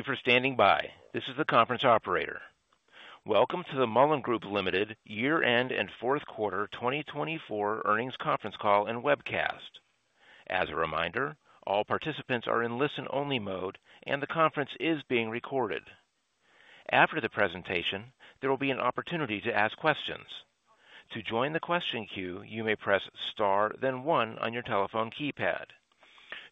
Thank you for standing by. This is the conference operator. Welcome to the Mullen Group Limited. Year-End and Fourth Quarter 2024 Earnings Conference Call and Webcast. As a reminder, all participants are in listen-only mode, and the conference is being recorded. After the presentation, there will be an opportunity to ask questions. To join the question queue, you may press star, then one on your telephone keypad.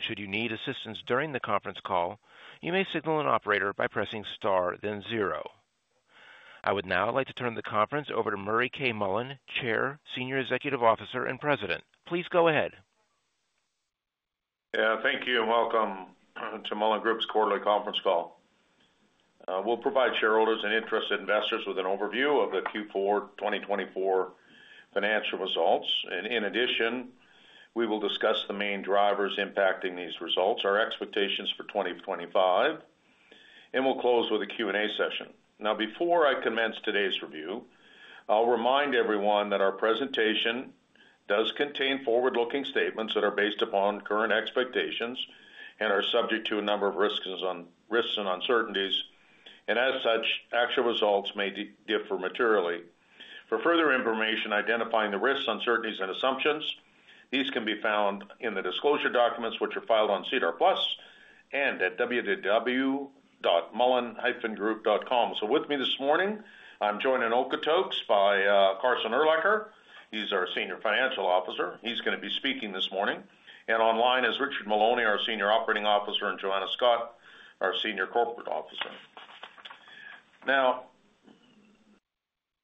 Should you need assistance during the conference call, you may signal an operator by pressing star, then zero. I would now like to turn the conference over to Murray K. Mullen, Chair, Senior Executive Officer, and President. Please go ahead. Thank you, and welcome to Mullen Group's quarterly conference call. We'll provide shareholders and interested investors with an overview of the Q4 2024 financial results. In addition, we will discuss the main drivers impacting these results, our expectations for 2025, and we'll close with a Q&A session. Now, before I commence today's review, I'll remind everyone that our presentation does contain forward-looking statements that are based upon current expectations and are subject to a number of risks and uncertainties. As such, actual results may differ materially. For further information identifying the risks, uncertainties, and assumptions, these can be found in the disclosure documents, which are filed on SEDAR+ and at www.mullen-group.com. With me this morning, I'm joined in Okotoks by Carson Urlacher. He's our Senior Financial Officer. He's going to be speaking this morning. Online is Richard Maloney, our Senior Operating Officer, and Joanna Scott, our Senior Corporate Officer. Now,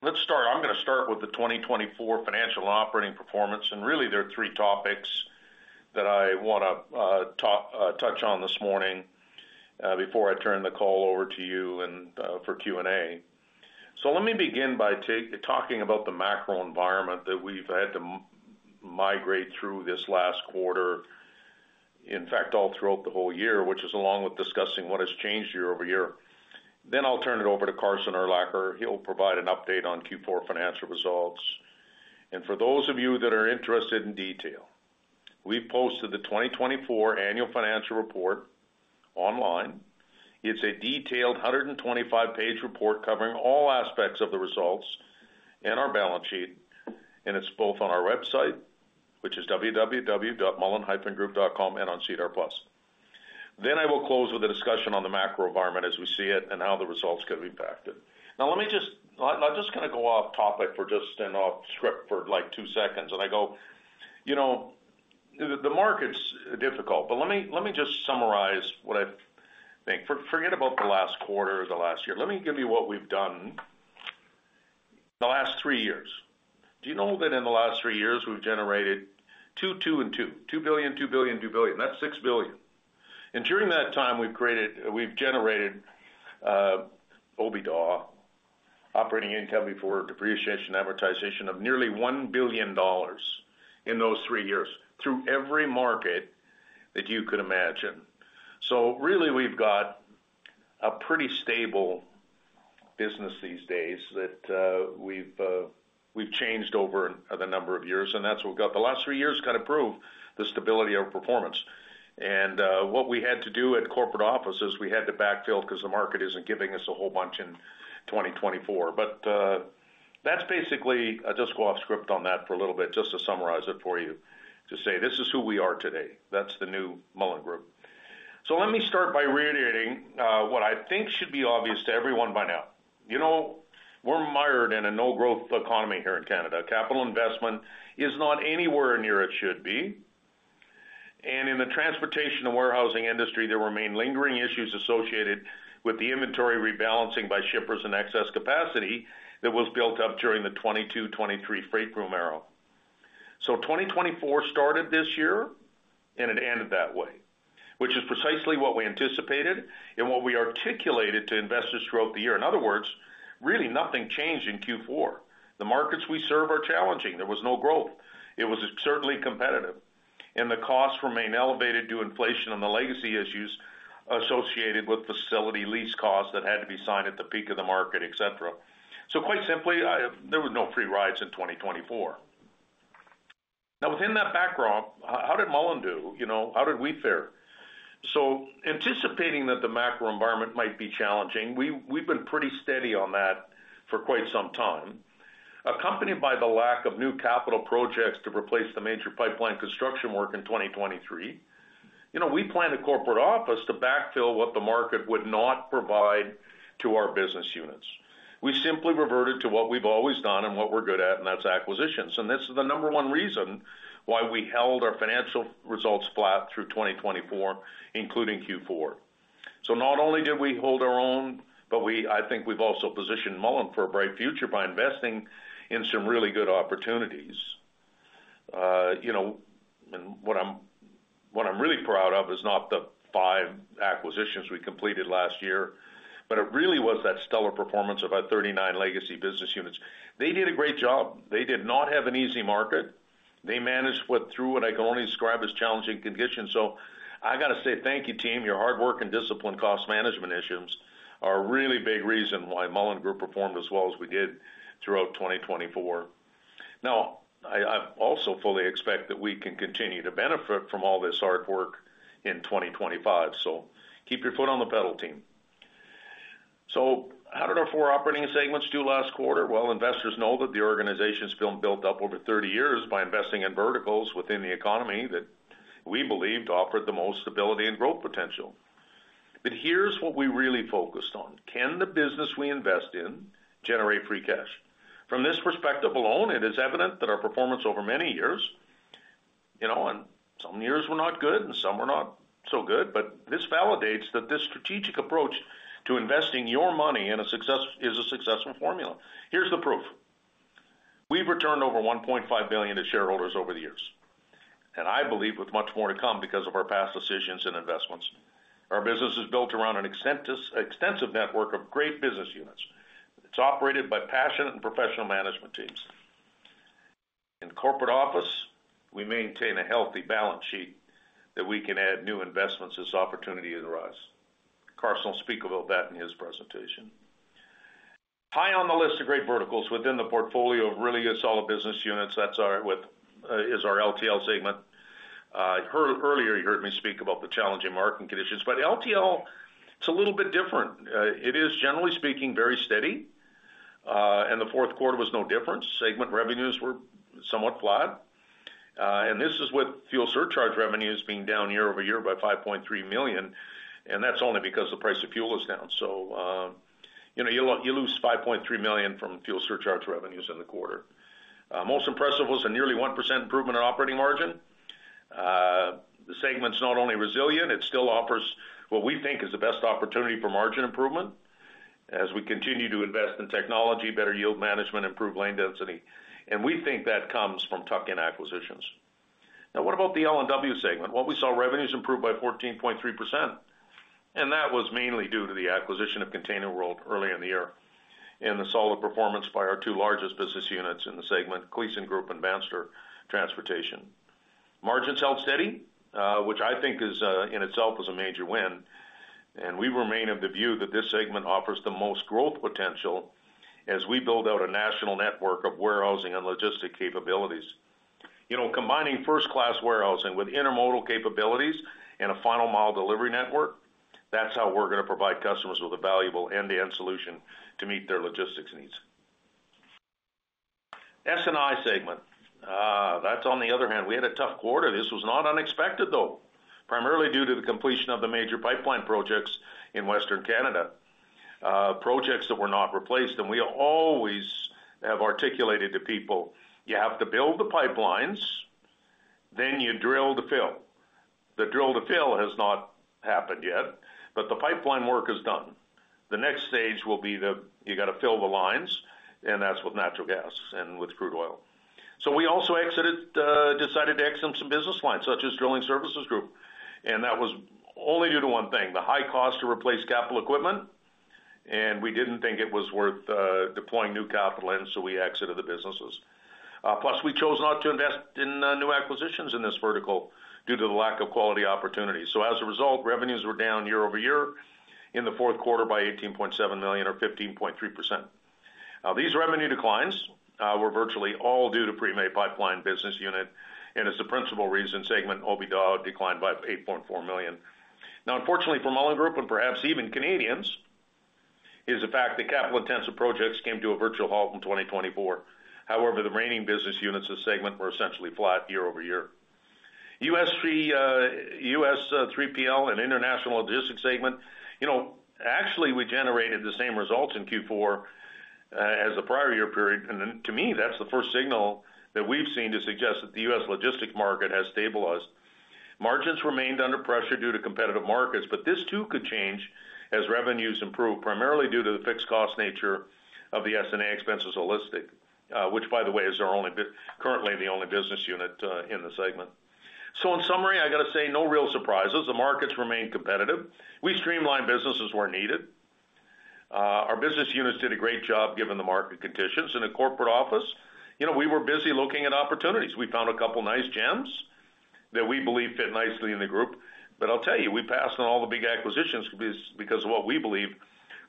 let's start. I'm going to start with the 2024 financial and operating performance. Really, there are three topics that I want to touch on this morning before I turn the call over to you for Q&A. Let me begin by talking about the macro environment that we've had to navigate through this last quarter, in fact, all throughout the whole year, which is along with discussing what has changed year-over-year. I'll turn it over to Carson Urlacher. He'll provide an update on Q4 financial results. For those of you that are interested in detail, we've posted the 2024 annual financial report online. It's a detailed 125-page report covering all aspects of the results and our balance sheet. And it's both on our website, which is www.mullen-group.com, and on SEDAR+. Then I will close with a discussion on the macro environment as we see it and how the results could be impacted. Now, let me just. I'm just going to go off topic for just an off script for like two seconds. And I go, you know, the market's difficult. But let me just summarize what I think. Forget about the last quarter or the last year. Let me give you what we've done the last three years. Do you know that in the last three years, we've generated $2 billion, $2 billion, $2 billion. That's $6 billion. And during that time, we've generated OIBDA, operating income before depreciation and amortization of nearly $1 billion in those three years through every market that you could imagine. So really, we've got a pretty stable business these days that we've changed over the number of years. And that's what we've got. The last three years kind of prove the stability of performance. And what we had to do at corporate offices, we had to backfill because the market isn't giving us a whole bunch in 2024. But that's basically. I'll just go off script on that for a little bit, just to summarize it for you, to say this is who we are today. That's the new Mullen Group. So let me start by reiterating what I think should be obvious to everyone by now. You know, we're mired in a no-growth economy here in Canada. Capital investment is not anywhere near it should be. In the transportation and warehousing industry, there remain lingering issues associated with the inventory rebalancing by shippers and excess capacity that was built up during the 2022 to 2023 freight boom era. 2024 started this year, and it ended that way, which is precisely what we anticipated and what we articulated to investors throughout the year. In other words, really nothing changed in Q4. The markets we serve are challenging. There was no growth. It was certainly competitive. And the costs remain elevated due to inflation and the legacy issues associated with facility lease costs that had to be signed at the peak of the market, etc. Quite simply, there were no free rides in 2024. Now, within that background, how did Mullen do? You know, how did we fare? Anticipating that the macro environment might be challenging, we've been pretty steady on that for quite some time, accompanied by the lack of new capital projects to replace the major pipeline construction work in 2023. You know, we planned a corporate office to backfill what the market would not provide to our business units. We simply reverted to what we've always done and what we're good at, and that's acquisitions. This is the number one reason why we held our financial results flat through 2024, including Q4. Not only did we hold our own, but I think we've also positioned Mullen for a bright future by investing in some really good opportunities. You know, and what I'm really proud of is not the five acquisitions we completed last year, but it really was that stellar performance of our 39 legacy business units. They did a great job. They did not have an easy market. They managed through what I can only describe as challenging conditions. So I got to say thank you, team. Your hard work and disciplined cost management are a really big reason why Mullen Group performed as well as we did throughout 2024. Now, I also fully expect that we can continue to benefit from all this hard work in 2025. So keep your foot on the pedal, team. So how did our four operating segments do last quarter? Well, investors know that the organization's been built up over 30 years by investing in verticals within the economy that we believe offered the most stability and growth potential. But here's what we really focused on. Can the business we invest in generate free cash? From this perspective alone, it is evident that our performance over many years, you know, and some years were not good and some were not so good, but this validates that this strategic approach to investing your money is a successful formula. Here's the proof. We've returned over $1.5 billion to shareholders over the years, and I believe with much more to come because of our past decisions and investments. Our business is built around an extensive network of great business units. It's operated by passionate and professional management teams. In corporate office, we maintain a healthy balance sheet that we can add new investments as opportunity arises. Carson will speak about that in his presentation. High on the list of great verticals within the portfolio of really solid business units, that's our LTL segment. Earlier, you heard me speak about the challenging market conditions. LTL, it's a little bit different. It is, generally speaking, very steady. In the fourth quarter there was no difference. Segment revenues were somewhat flat. This is with fuel surcharge revenues being down year-over-year by $5.3 million. That's only because the price of fuel is down. You lose $5.3 million from fuel surcharge revenues in the quarter. Most impressive was a nearly 1% improvement in operating margin. The segment's not only resilient, it still offers what we think is the best opportunity for margin improvement as we continue to invest in technology, better yield management, improved lane density. We think that comes from Tuck-in acquisitions. Now, what about the L&W segment? We saw revenues improve by 14.3%. That was mainly due to the acquisition of ContainerWorld earlier in the year and the solid performance by our two largest business units in the segment, Kleysen Group and Bandstra Transportation. Margins held steady, which I think in itself is a major win. We remain of the view that this segment offers the most growth potential as we build out a national network of warehousing and logistics capabilities. You know, combining first-class warehousing with intermodal capabilities and a final mile delivery network, that's how we're going to provide customers with a valuable end-to-end solution to meet their logistics needs. S&I segment. That's on the other hand. We had a tough quarter. This was not unexpected, though, primarily due to the completion of the major pipeline projects in Western Canada, projects that were not replaced. We always have articulated to people, you have to build the pipelines, then you drill to fill. The drill to fill has not happened yet, but the pipeline work is done. The next stage will be that you got to fill the lines, and that's with natural gas and with crude oil. We also decided to exit some business lines, such as drilling services group. That was only due to one thing, the high cost to replace capital equipment. We didn't think it was worth deploying new capital in, so we exited the businesses. Plus, we chose not to invest in new acquisitions in this vertical due to the lack of quality opportunity. As a result, revenues were down year-over-year in the fourth quarter by $18.7 million or 15.3%. Now, these revenue declines were virtually all due to Premay Pipeline business unit. And as the principal reason, segment OIBDA declined by $8.4 million. Now, unfortunately for Mullen Group, and perhaps even Canadians, is the fact that capital-intensive projects came to a virtual halt in 2024. However, the remaining business units of segment were essentially flat year-over-year. U.S. 3PL and international logistics segment, you know, actually we generated the same results in Q4 as the prior year period. And to me, that's the first signal that we've seen to suggest that the U.S. logistics market has stabilized. Margins remained under pressure due to competitive markets, but this too could change as revenues improve, primarily due to the fixed cost nature of the SG&A expenses, HAUListic, which, by the way, is currently the only business unit in the segment. So in summary, I got to say no real surprises. The markets remained competitive. We streamlined businesses where needed. Our business units did a great job given the market conditions. In a corporate office, you know, we were busy looking at opportunities. We found a couple of nice gems that we believe fit nicely in the group. But I'll tell you, we passed on all the big acquisitions because of what we believe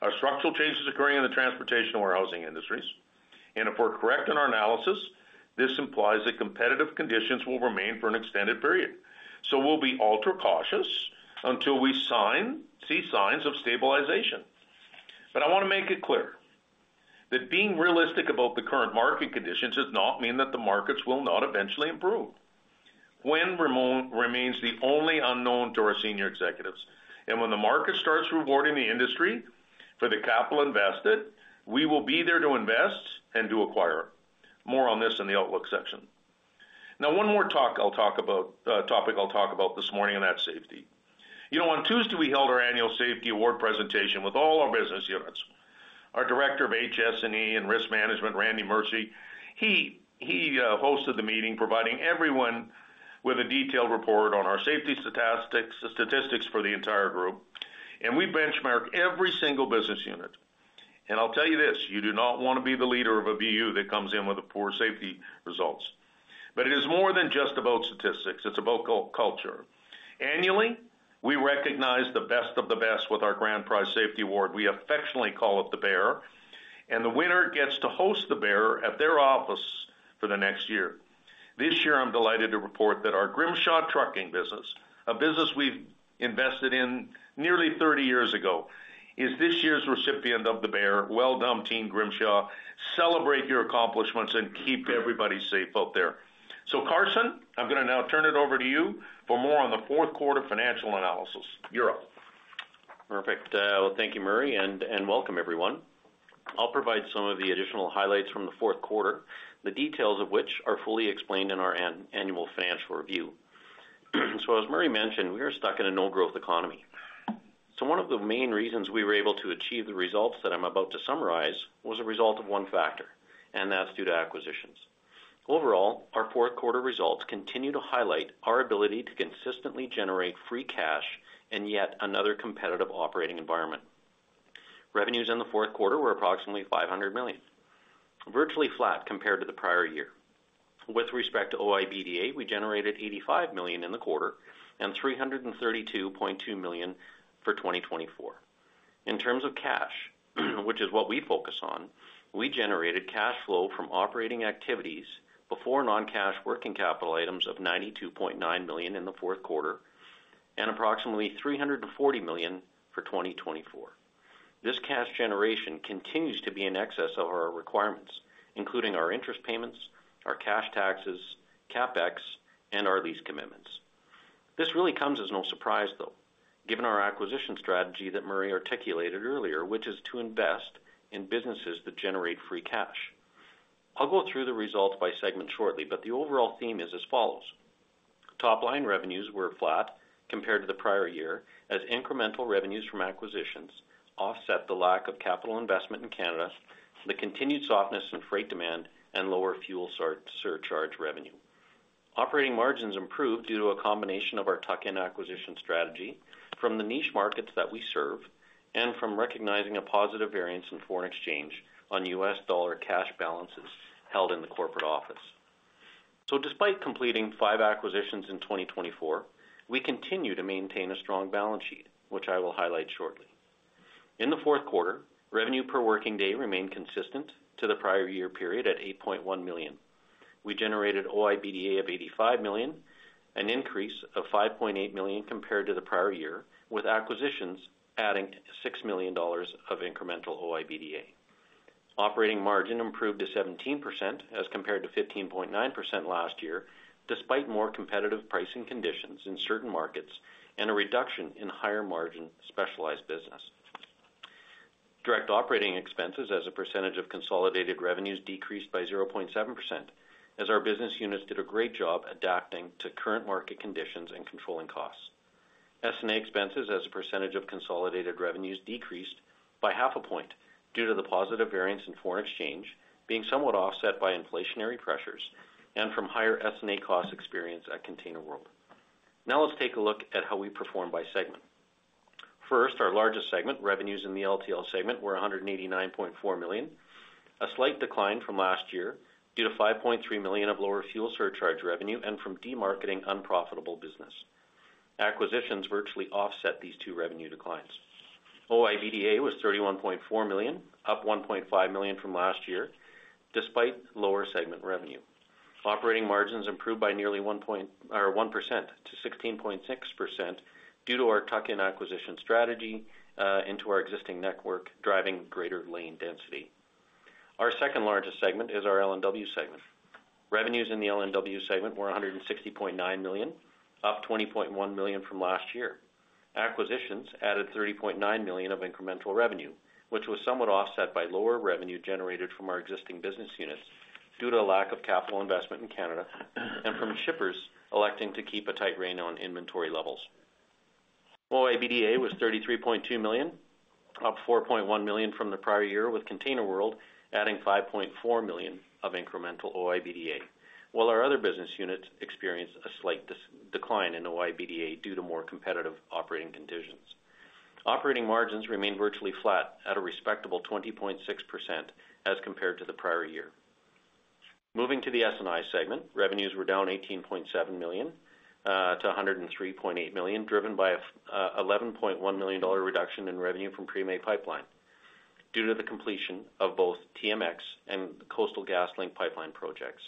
are structural changes occurring in the transportation or housing industries. And if we're correct in our analysis, this implies that competitive conditions will remain for an extended period. So we'll be ultra cautious until we see signs of stabilization. But I want to make it clear that being realistic about the current market conditions does not mean that the markets will not eventually improve. When remains the only unknown to our senior executives. And when the market starts rewarding the industry for the capital invested, we will be there to invest and to acquire. More on this in the Outlook section. Now, one more topic I'll talk about this morning, and that's safety. You know, on Tuesday, we held our annual safety award presentation with all our business units. Our director of HS&E and risk management, Randy Mercer, he hosted the meeting, providing everyone with a detailed report on our safety statistics for the entire group, and we benchmark every single business unit, and I'll tell you this, you do not want to be the leader of a BU that comes in with poor safety results, but it is more than just about statistics. It's about culture. Annually, we recognize the best of the best with our Grand Prize Safety Award. We affectionately call it the Bear, and the winner gets to host the Bear at their office for the next year. This year, I'm delighted to report that our Grimshaw Trucking business, a business we invested in nearly 30 years ago, is this year's recipient of The Bear. Well done, team Grimshaw. Celebrate your accomplishments and keep everybody safe out there. So, Carson, I'm going to now turn it over to you for more on the fourth quarter financial analysis. You're up. Perfect. Well, thank you, Murray, and welcome, everyone. I'll provide some of the additional highlights from the fourth quarter, the details of which are fully explained in our annual financial review. So, as Murray mentioned, we are stuck in a no-growth economy. So, one of the main reasons we were able to achieve the results that I'm about to summarize was a result of one factor, and that's due to acquisitions. Overall, our fourth quarter results continue to highlight our ability to consistently generate free cash and yet another competitive operating environment. Revenues in the fourth quarter were approximately $500 million, virtually flat compared to the prior year. With respect to OIBDA, we generated $85 million in the quarter and $332.2 million for 2024. In terms of cash, which is what we focus on, we generated cash flow from operating activities before non-cash working capital items of $92.9 million in the fourth quarter and approximately $340 million for 2024. This cash generation continues to be in excess of our requirements, including our interest payments, our cash taxes, CapEx, and our lease commitments. This really comes as no surprise, though, given our acquisition strategy that Murray articulated earlier, which is to invest in businesses that generate free cash. I'll go through the results by segment shortly, but the overall theme is as follows. Top-line revenues were flat compared to the prior year as incremental revenues from acquisitions offset the lack of capital investment in Canada, the continued softness in freight demand, and lower fuel surcharge revenue. Operating margins improved due to a combination of our tuck-in acquisition strategy from the niche markets that we serve and from recognizing a positive variance in foreign exchange on U.S. dollar cash balances held in the corporate office. So, despite completing five acquisitions in 2024, we continue to maintain a strong balance sheet, which I will highlight shortly. In the fourth quarter, revenue per working day remained consistent to the prior year period at $8.1 million. We generated OIBDA of $85 million, an increase of $5.8 million compared to the prior year, with acquisitions adding $6 million of incremental OIBDA. Operating margin improved to 17% as compared to 15.9% last year, despite more competitive pricing conditions in certain markets and a reduction in higher margin specialized business. Direct operating expenses as a percentage of consolidated revenues decreased by 0.7% as our business units did a great job adapting to current market conditions and controlling costs. S&A expenses as a percentage of consolidated revenues decreased by 0.5 point due to the positive variance in foreign exchange being somewhat offset by inflationary pressures and from higher S&A costs experienced at ContainerWorld. Now, let's take a look at how we perform by segment. First, our largest segment, revenues in the LTL segment, were 189.4 million, a slight decline from last year due to 5.3 million of lower fuel surcharge revenue and from demarketing unprofitable business. Acquisitions virtually offset these two revenue declines. OIBDA was $31.4 million, up $1.5 million from last year, despite lower segment revenue. Operating margins improved by nearly 1%-16.6% due to our tuck-in acquisition strategy into our existing network, driving greater lane density. Our second largest segment is our L&W segment. Revenues in the L&W segment were $160.9 million, up $20.1 million from last year. Acquisitions added $30.9 million of incremental revenue, which was somewhat offset by lower revenue generated from our existing business units due to a lack of capital investment in Canada and from shippers electing to keep a tight rein on inventory levels. OIBDA was $33.2 million, up $4.1 million from the prior year, with ContainerWorld adding $5.4 million of incremental OIBDA, while our other business units experienced a slight decline in OIBDA due to more competitive operating conditions. Operating margins remained virtually flat at a respectable 20.6% as compared to the prior year. Moving to the S&I segment, revenues were down $18.7 million-$103.8 million, driven by an $11.1 million reduction in revenue from Premay Pipeline due to the completion of both TMX and Coastal GasLink pipeline projects.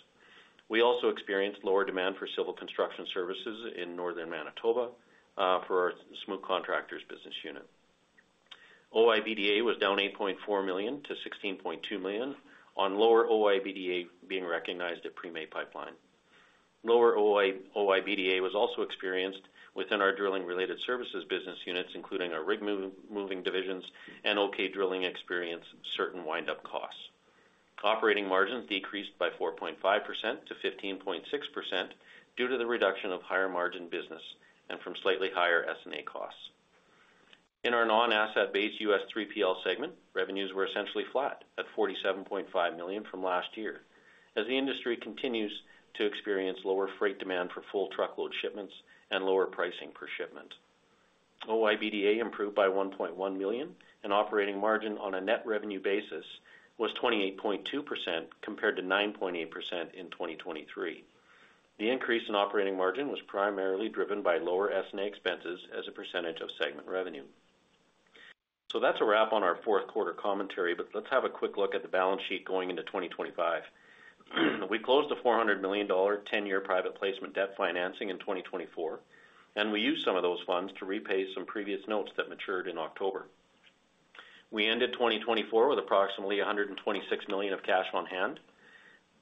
We also experienced lower demand for civil construction services in Northern Manitoba for our Smook Contractors business unit. OIBDA was down $8.4 million-$16.2 million on lower OIBDA being recognized at Premay Pipeline. Lower OIBDA was also experienced within our drilling-related services business units, including our rig moving divisions, and OK Drilling experienced certain wind-up costs. Operating margins decreased by 4.5%-15.6% due to the reduction of higher margin business and from slightly higher S&A costs. In our non-asset-based U.S. 3PL segment, revenues were essentially flat at $47.5 million from last year as the industry continues to experience lower freight demand for full truckload shipments and lower pricing per shipment. OIBDA improved by $1.1 million, and operating margin on a net revenue basis was 28.2% compared to 9.8% in 2023. The increase in operating margin was primarily driven by lower S&A expenses as a percentage of segment revenue. So that's a wrap on our fourth quarter commentary, but let's have a quick look at the balance sheet going into 2025. We closed the $400 million 10-year private placement debt financing in 2024, and we used some of those funds to repay some previous notes that matured in October. We ended 2024 with approximately $126 million of cash on hand.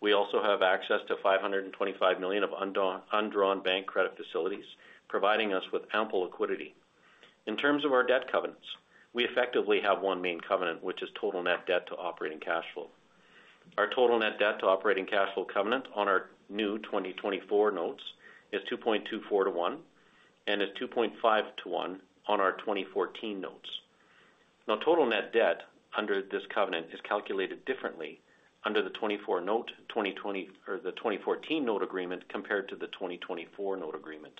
We also have access to $525 million of undrawn bank credit facilities, providing us with ample liquidity. In terms of our debt covenants, we effectively have one main covenant, which is total net debt to operating cash flow. Our total net debt to operating cash flow covenant on our new 2024 notes is 2.24:1 and is 2.5:1 on our 2014 notes. Now, total net debt under this covenant is calculated differently under the 2014 note agreement compared to the 2024 note agreement.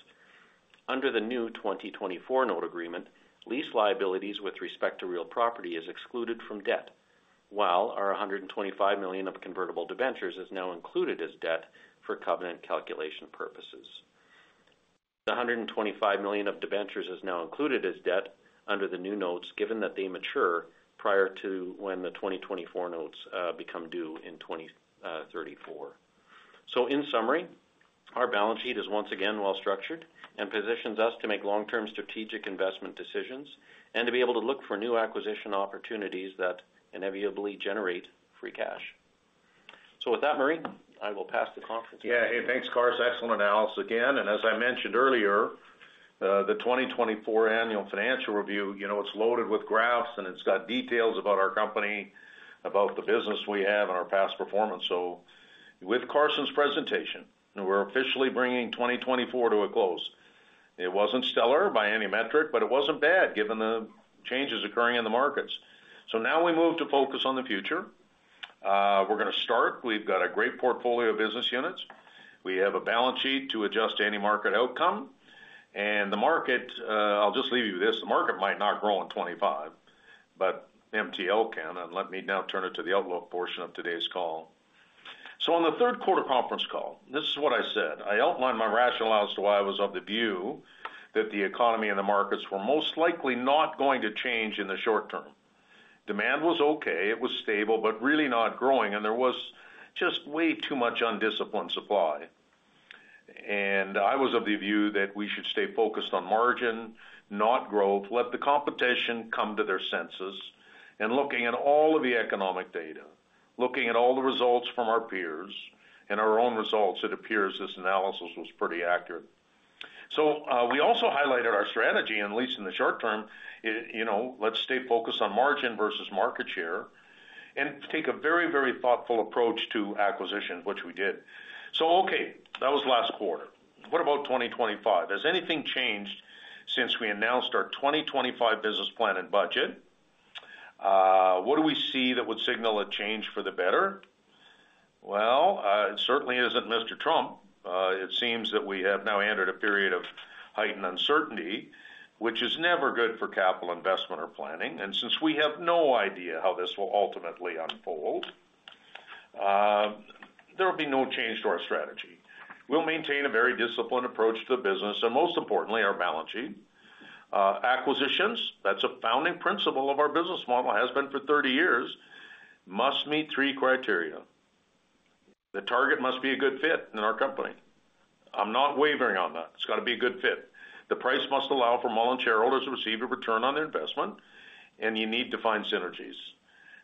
Under the new 2024 note agreement, lease liabilities with respect to real property are excluded from debt, while our $125 million of convertible debentures are now included as debt for covenant calculation purposes. The $125 million of debentures are now included as debt under the new notes, given that they mature prior to when the 2024 notes become due in 2034. So, in summary, our balance sheet is once again well-structured and positions us to make long-term strategic investment decisions and to be able to look for new acquisition opportunities that inevitably generate free cash. So, with that, Murray, I will pass the conference. Yeah, hey, thanks, Carson. Excellent analysis again. And as I mentioned earlier, the 2024 annual financial review, you know, it's loaded with graphs and it's got details about our company, about the business we have, and our past performance. So, with Carson's presentation, we're officially bringing 2024 to a close. It wasn't stellar by any metric, but it wasn't bad given the changes occurring in the markets. So now we move to focus on the future. We're going to start. We've got a great portfolio of business units. We have a balance sheet to adjust to any market outcome. And the market, I'll just leave you with this. The market might not grow in 2025, but MTL can. And let me now turn it to the Outlook portion of today's call. So, on the third quarter conference call, this is what I said. I outlined my rationale as to why I was of the view that the economy and the markets were most likely not going to change in the short term. Demand was okay. It was stable, but really not growing. And there was just way too much undisciplined supply. And I was of the view that we should stay focused on margin, not growth, let the competition come to their senses. And looking at all of the economic data, looking at all the results from our peers and our own results, it appears this analysis was pretty accurate. So, we also highlighted our strategy, at least in the short term, you know, let's stay focused on margin versus market share and take a very, very thoughtful approach to acquisitions, which we did. So, okay, that was last quarter. What about 2025? Has anything changed since we announced our 2025 business plan and budget? What do we see that would signal a change for the better? Well, it certainly isn't Mr. Trump. It seems that we have now entered a period of heightened uncertainty, which is never good for capital investment or planning. And since we have no idea how this will ultimately unfold, there will be no change to our strategy. We'll maintain a very disciplined approach to the business and, most importantly, our balance sheet. Acquisitions, that's a founding principle of our business model and has been for 30 years, must meet three criteria. The target must be a good fit in our company. I'm not wavering on that. It's got to be a good fit. The price must allow for Mullen shareholders to receive a return on their investment, and you need to find synergies.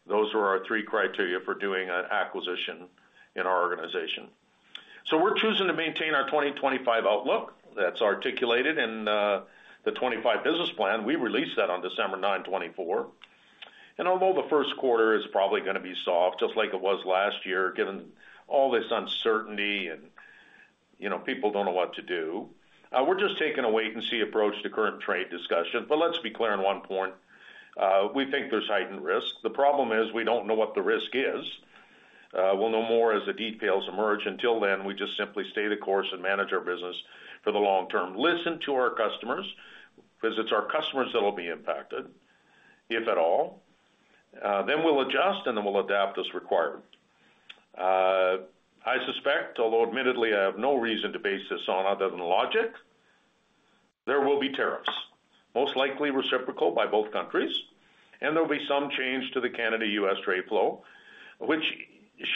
Those were our three criteria for doing an acquisition in our organization. So, we're choosing to maintain our 2025 outlook. That's articulated in the 2025 business plan. We released that on December 9, 2024, and although the first quarter is probably going to be soft, just like it was last year, given all this uncertainty and, you know, people don't know what to do, we're just taking a wait-and-see approach to current trade discussion, but let's be clear on one point. We think there's heightened risk. The problem is we don't know what the risk is. We'll know more as the details emerge. Until then, we just simply stay the course and manage our business for the long term. Listen to our customers. If it's our customers that will be impacted, if at all, then we'll adjust and then we'll adapt as required. I suspect, although admittedly I have no reason to base this on other than logic, there will be tariffs, most likely reciprocal by both countries, and there'll be some change to the Canada-U.S. trade flow, which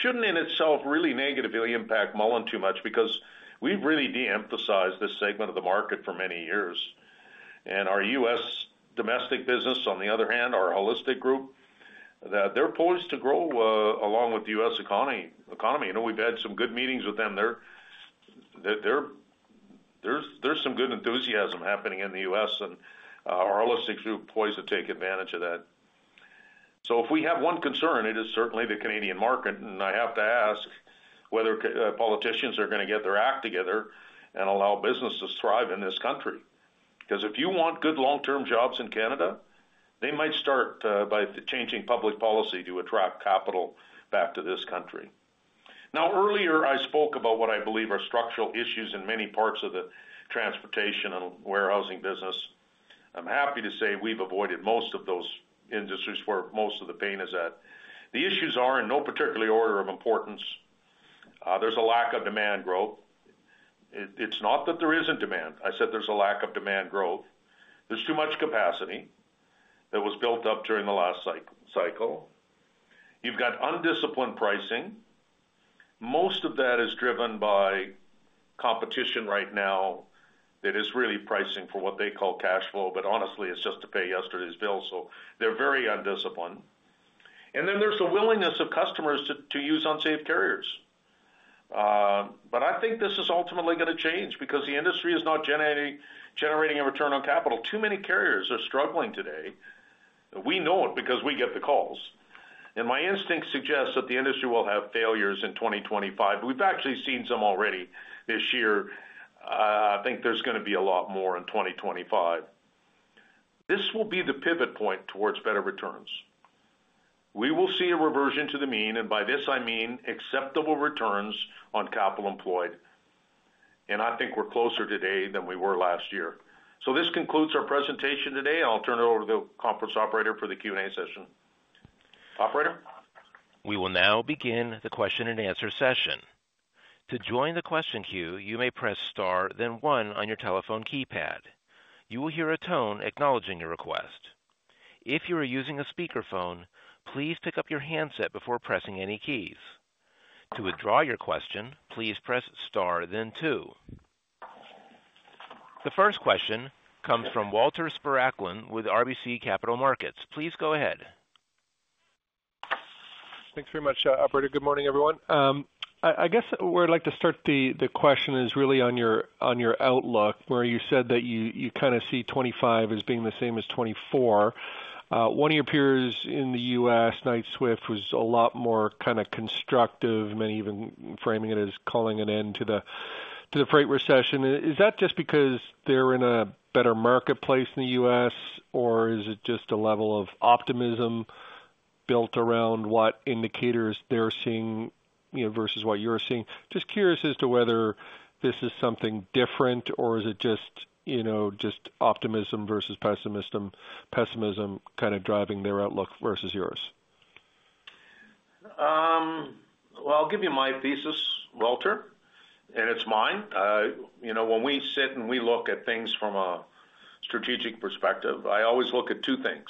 shouldn't in itself really negatively impact Mullen too much because we've really de-emphasized this segment of the market for many years, and our U.S. domestic business, on the other hand, our HAUListic Group, they're poised to grow along with the U.S. economy. You know, we've had some good meetings with them there. There's some good enthusiasm happening in the U.S., and our HAUListic Group poised to take advantage of that, so if we have one concern, it is certainly the Canadian market, and I have to ask whether politicians are going to get their act together and allow business to thrive in this country. Because if you want good long-term jobs in Canada, they might start by changing public policy to attract capital back to this country. Now, earlier, I spoke about what I believe are structural issues in many parts of the transportation and warehousing business. I'm happy to say we've avoided most of those industries where most of the pain is at. The issues are in no particular order of importance. There's a lack of demand growth. It's not that there isn't demand. I said there's a lack of demand growth. There's too much capacity that was built up during the last cycle. You've got undisciplined pricing. Most of that is driven by competition right now that is really pricing for what they call cash flow, but honestly, it's just to pay yesterday's bill. So, they're very undisciplined. And then there's a willingness of customers to use unsafe carriers. But I think this is ultimately going to change because the industry is not generating a return on capital. Too many carriers are struggling today. We know it because we get the calls. And my instincts suggest that the industry will have failures in 2025. We've actually seen some already this year. I think there's going to be a lot more in 2025. This will be the pivot point towards better returns. We will see a reversion to the mean, and by this, I mean acceptable returns on capital employed. And I think we're closer today than we were last year. So, this concludes our presentation today. I'll turn it over to the conference operator for the Q&A session. Operator. We will now begin the question-and-answer session. To join the question queue, you may press star, then one on your telephone keypad. You will hear a tone acknowledging your request. If you are using a speakerphone, please pick up your handset before pressing any keys. To withdraw your question, please press star, then two. The first question comes from Walter Spracklin with RBC Capital Markets. Please go ahead. Thanks very much, Operator. Good morning, everyone. I guess where I'd like to start the question is really on your outlook, where you said that you kind of see 2025 as being the same as 2024. One of your peers in the U.S., Knight-Swift, was a lot more kind of constructive, maybe even framing it as calling an end to the freight recession. Is that just because they're in a better marketplace in the U.S., or is it just a level of optimism built around what indicators they're seeing versus what you're seeing? Just curious as to whether this is something different, or is it just, you know, just optimism versus pessimism kind of driving their outlook versus yours? I'll give you my thesis, Walter, and it's mine. You know, when we sit and we look at things from a strategic perspective, I always look at two things.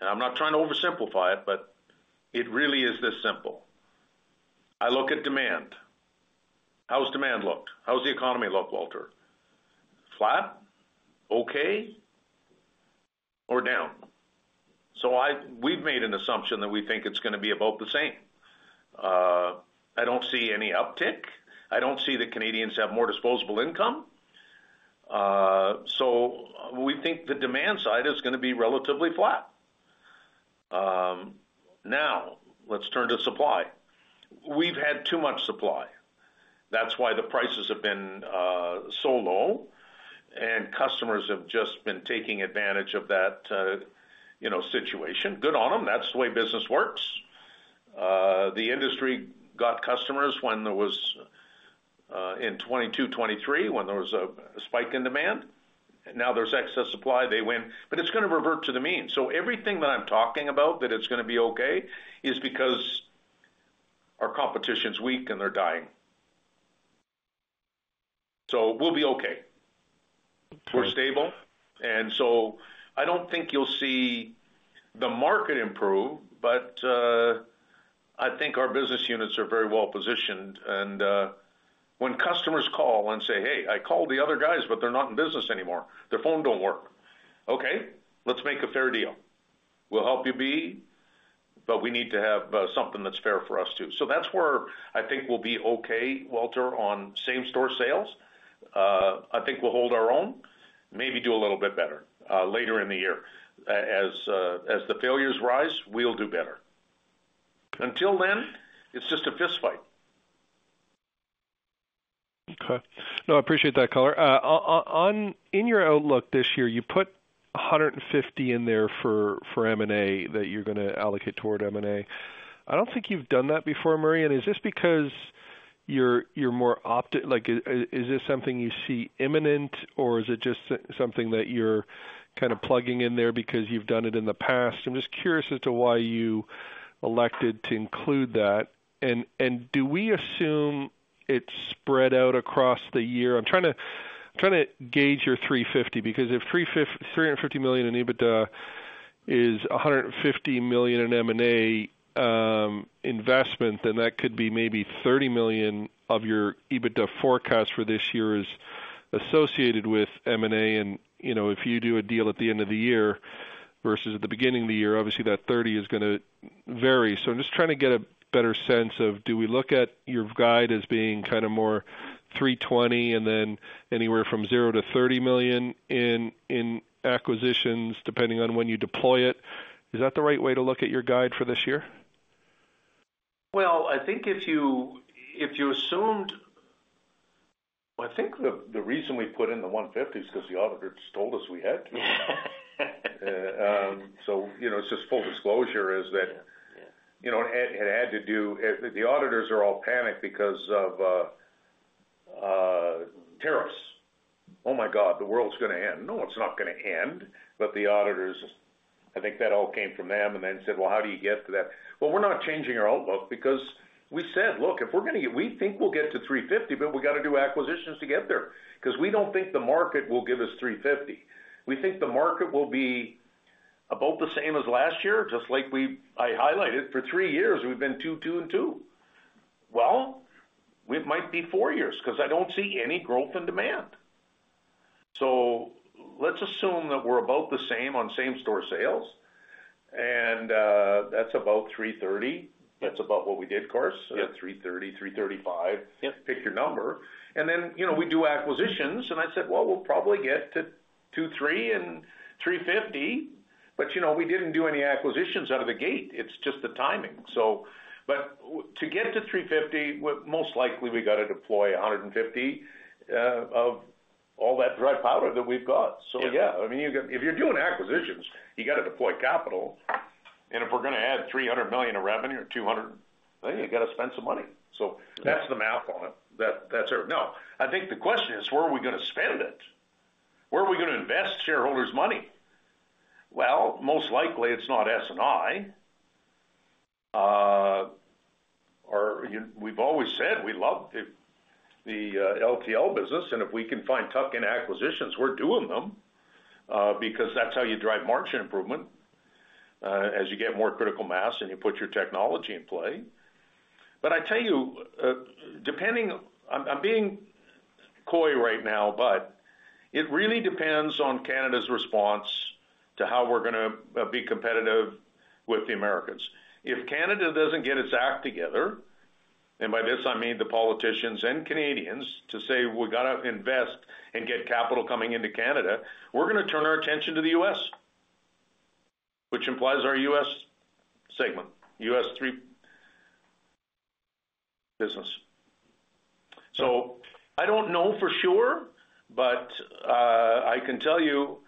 I'm not trying to oversimplify it, but it really is this simple. I look at demand. How's demand look? How's the economy look, Walter? Flat, okay, or down? We've made an assumption that we think it's going to be about the same. I don't see any uptick. I don't see the Canadians have more disposable income. We think the demand side is going to be relatively flat. Now, let's turn to supply. We've had too much supply. That's why the prices have been so low, and customers have just been taking advantage of that, you know, situation. Good on them. That's the way business works. The industry got customers when there was in 2022, 2023, when there was a spike in demand. Now there's excess supply. They win, but it's going to revert to the mean, so everything that I'm talking about that it's going to be okay is because our competition's weak and they're dying. So, we'll be okay. We're stable, and so I don't think you'll see the market improve, but I think our business units are very well positioned, and when customers call and say, "Hey, I called the other guys, but they're not in business anymore. Their phone don't work." Okay, let's make a fair deal. We'll help you be, but we need to have something that's fair for us too, so that's where I think we'll be okay, Walter, on same-store sales. I think we'll hold our own, maybe do a little bit better later in the year. As the failures rise, we'll do better. Until then, it's just a fistfight. Okay. No, I appreciate that color. In your Outlook this year, you put 150 in there for M&A that you're going to allocate toward M&A. I don't think you've done that before, Murray. And is this because you're more optimistic, like, is this something you see imminent, or is it just something that you're kind of plugging in there because you've done it in the past? I'm just curious as to why you elected to include that. And do we assume it's spread out across the year? I'm trying to gauge your $350 million because if $350 million in EBITDA is $150 million in M&A investment, then that could be maybe $30 million of your EBITDA forecast for this year is associated with M&A. You know, if you do a deal at the end of the year versus at the beginning of the year, obviously that $30 million is going to vary. So, I'm just trying to get a better sense of do we look at your guide as being kind of more $320 million and then anywhere from $0 million-$30 million in acquisitions depending on when you deploy it? Is that the right way to look at your guide for this year? I think if you assumed, I think the reason we put in the $150 million is because the auditors told us we had to. So, you know, it's just full disclosure is that, you know, it had to do, the auditors are all panicked because of tariffs. Oh my God, the world's going to end. No, it's not going to end, but the auditors, I think that all came from them and then said, "Well, how do you get to that?" We're not changing our outlook because we said, "Look, if we're going to get, we think we'll get to $350 million but we got to do acquisitions to get there because we don't think the market will give us $350 million. We think the market will be about the same as last year, just like I highlighted for three years, we've been two, two, and two. Well, it might be four years because I don't see any growth in demand. So, let's assume that we're about the same on same-store sales, and that's about $330 million. That's about what we did, of course. Yeah, $330 million, $335 million. Pick your number. And then, you know, we do acquisitions, and I said, "Well, we'll probably get to $350 million," but, you know, we didn't do any acquisitions out of the gate. It's just the timing. So, but to get to $350 million, most likely we got to deploy $150 million of all that dry powder that we've got. So, yeah, I mean, if you're doing acquisitions, you got to deploy capital. And if we're going to add $300 million of revenue or $200 million, you got to spend some money. So, that's the math on it. That's it. Now, I think the question is, where are we going to spend it? Where are we going to invest shareholders' money? Well, most likely it's not S&I. We've always said we love the LTL business, and if we can find tuck-in acquisitions, we're doing them because that's how you drive margin improvement as you get more critical mass and you put your technology in play. But I tell you, depending, I'm being coy right now, but it really depends on Canada's response to how we're going to be competitive with the Americans. If Canada doesn't get its act together, and by this I mean the politicians and Canadians to say, "We got to invest and get capital coming into Canada," we're going to turn our attention to the U.S., which implies our U.S. segment, U.S. 3PL business. So, I don't know for sure, but I can tell you,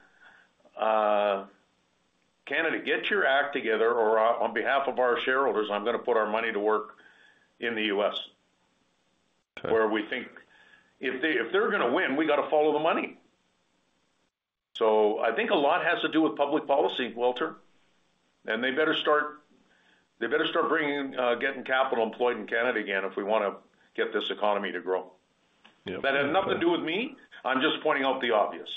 Canada, get your act together or on behalf of our shareholders, I'm going to put our money to work in the U.S., where we think if they're going to win, we got to follow the money. So, I think a lot has to do with public policy, Walter. They better start getting capital employed in Canada again if we want to get this economy to grow. That has nothing to do with me. I'm just pointing out the obvious.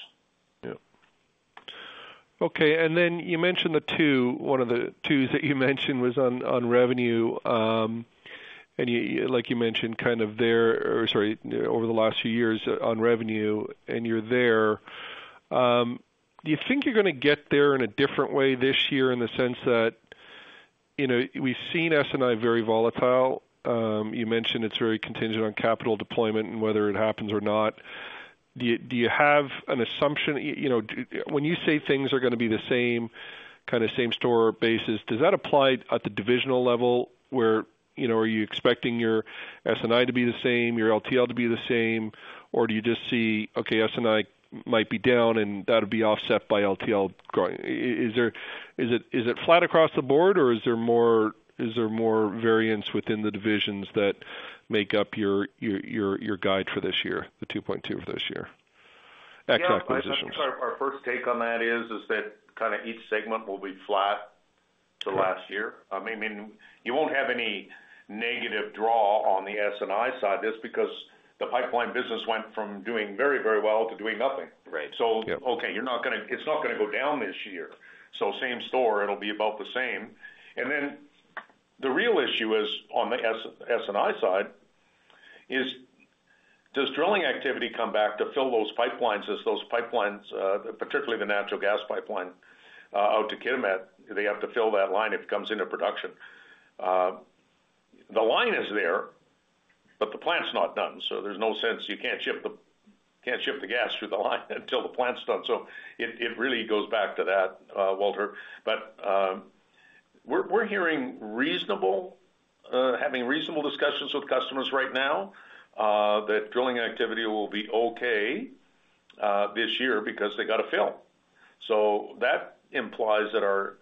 Yeah. Okay. And then you mentioned the two, one of the twos that you mentioned was on revenue. And like you mentioned, kind of there, or sorry, over the last few years on revenue, and you're there. Do you think you're going to get there in a different way this year in the sense that, you know, we've seen S&I very volatile? You mentioned it's very contingent on capital deployment and whether it happens or not. Do you have an assumption, you know, when you say things are going to be the same, kind of same-store basis, does that apply at the divisional level where, you know, are you expecting your S&I to be the same, your LTL to be the same, or do you just see, okay, S&I might be down and that would be offset by LTL growing? Is it flat across the board, or is there more variance within the divisions that make up your guide for this year, the 2.2 for this year ex acquisitions? I think our first take on that is that kind of each segment will be flat to last year. I mean, you won't have any negative draw on the S&I side just because the pipeline business went from doing very, very well to doing nothing. So, okay, you're not going to, it's not going to go down this year. So, same-store, it'll be about the same. And then the real issue is on the S&I side is does drilling activity come back to fill those pipelines as those pipelines, particularly the natural gas pipeline out to Kitimat, they have to fill that line if it comes into production. The line is there, but the plant's not done. So, there's no sense, you can't ship the gas through the line until the plant's done. So, it really goes back to that, Walter. But we're having reasonable discussions with customers right now that drilling activity will be okay this year because they got to fill. So, that implies that our,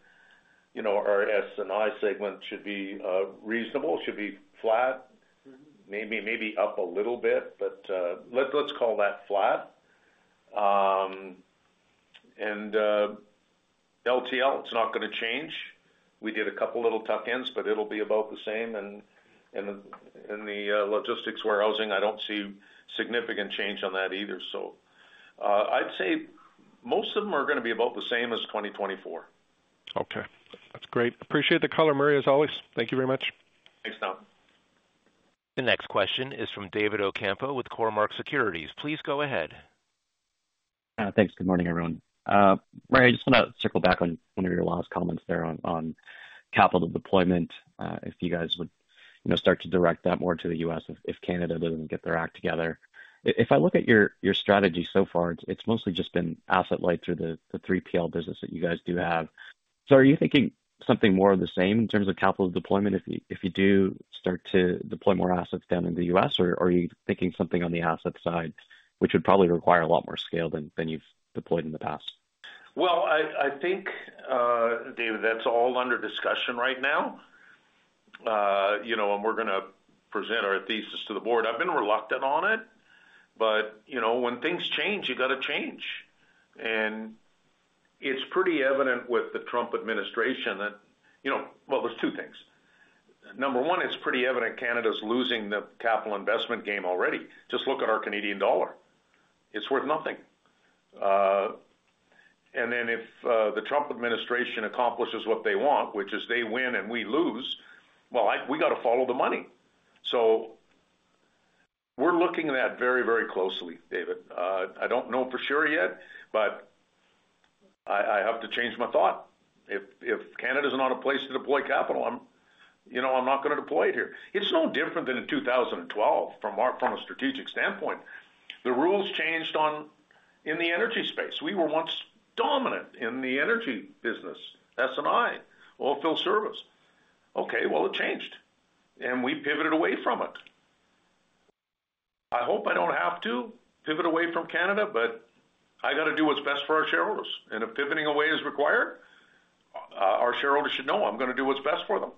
you know, our S&I segment should be reasonable, should be flat, maybe up a little bit, but let's call that flat. And LTL, it's not going to change. We did a couple little tuck-ins, but it'll be about the same. And in the logistics warehousing, I don't see significant change on that either. So, I'd say most of them are going to be about the same as 2024. Okay. That's great. Appreciate the color, Murray, as always. Thank you very much. Thanks. The next question is from David Ocampo with Cormark Securities. Please go ahead. Thanks. Good morning, everyone. Murray, I just want to circle back on one of your last comments there on capital deployment, if you guys would, you know, start to direct that more to the U.S. if Canada doesn't get their act together. If I look at your strategy so far, it's mostly just been asset light through the 3PL business that you guys do have. So, are you thinking something more of the same in terms of capital deployment if you do start to deploy more assets down in the U.S., or are you thinking something on the asset side, which would probably require a lot more scale than you've deployed in the past? I think, David, that's all under discussion right now. You know, when we're going to present our thesis to the board, I've been reluctant on it, but, you know, when things change, you got to change. It's pretty evident with the Trump administration that, you know, well, there's two things. Number one, it's pretty evident Canada's losing the capital investment game already. Just look at our Canadian dollar. It's worth nothing. Then if the Trump administration accomplishes what they want, which is they win and we lose, well, we got to follow the money. We're looking at that very, very closely, David. I don't know for sure yet, but I have to change my thought. If Canada's not a place to deploy capital, I'm, you know, I'm not going to deploy it here. It's no different than in 2012 from a strategic standpoint. The rules changed in the energy space. We were once dominant in the energy business, S&I, oilfield service. Okay, well, it changed. And we pivoted away from it. I hope I don't have to pivot away from Canada, but I got to do what's best for our shareholders. And if pivoting away is required, our shareholders should know I'm going to do what's best for them.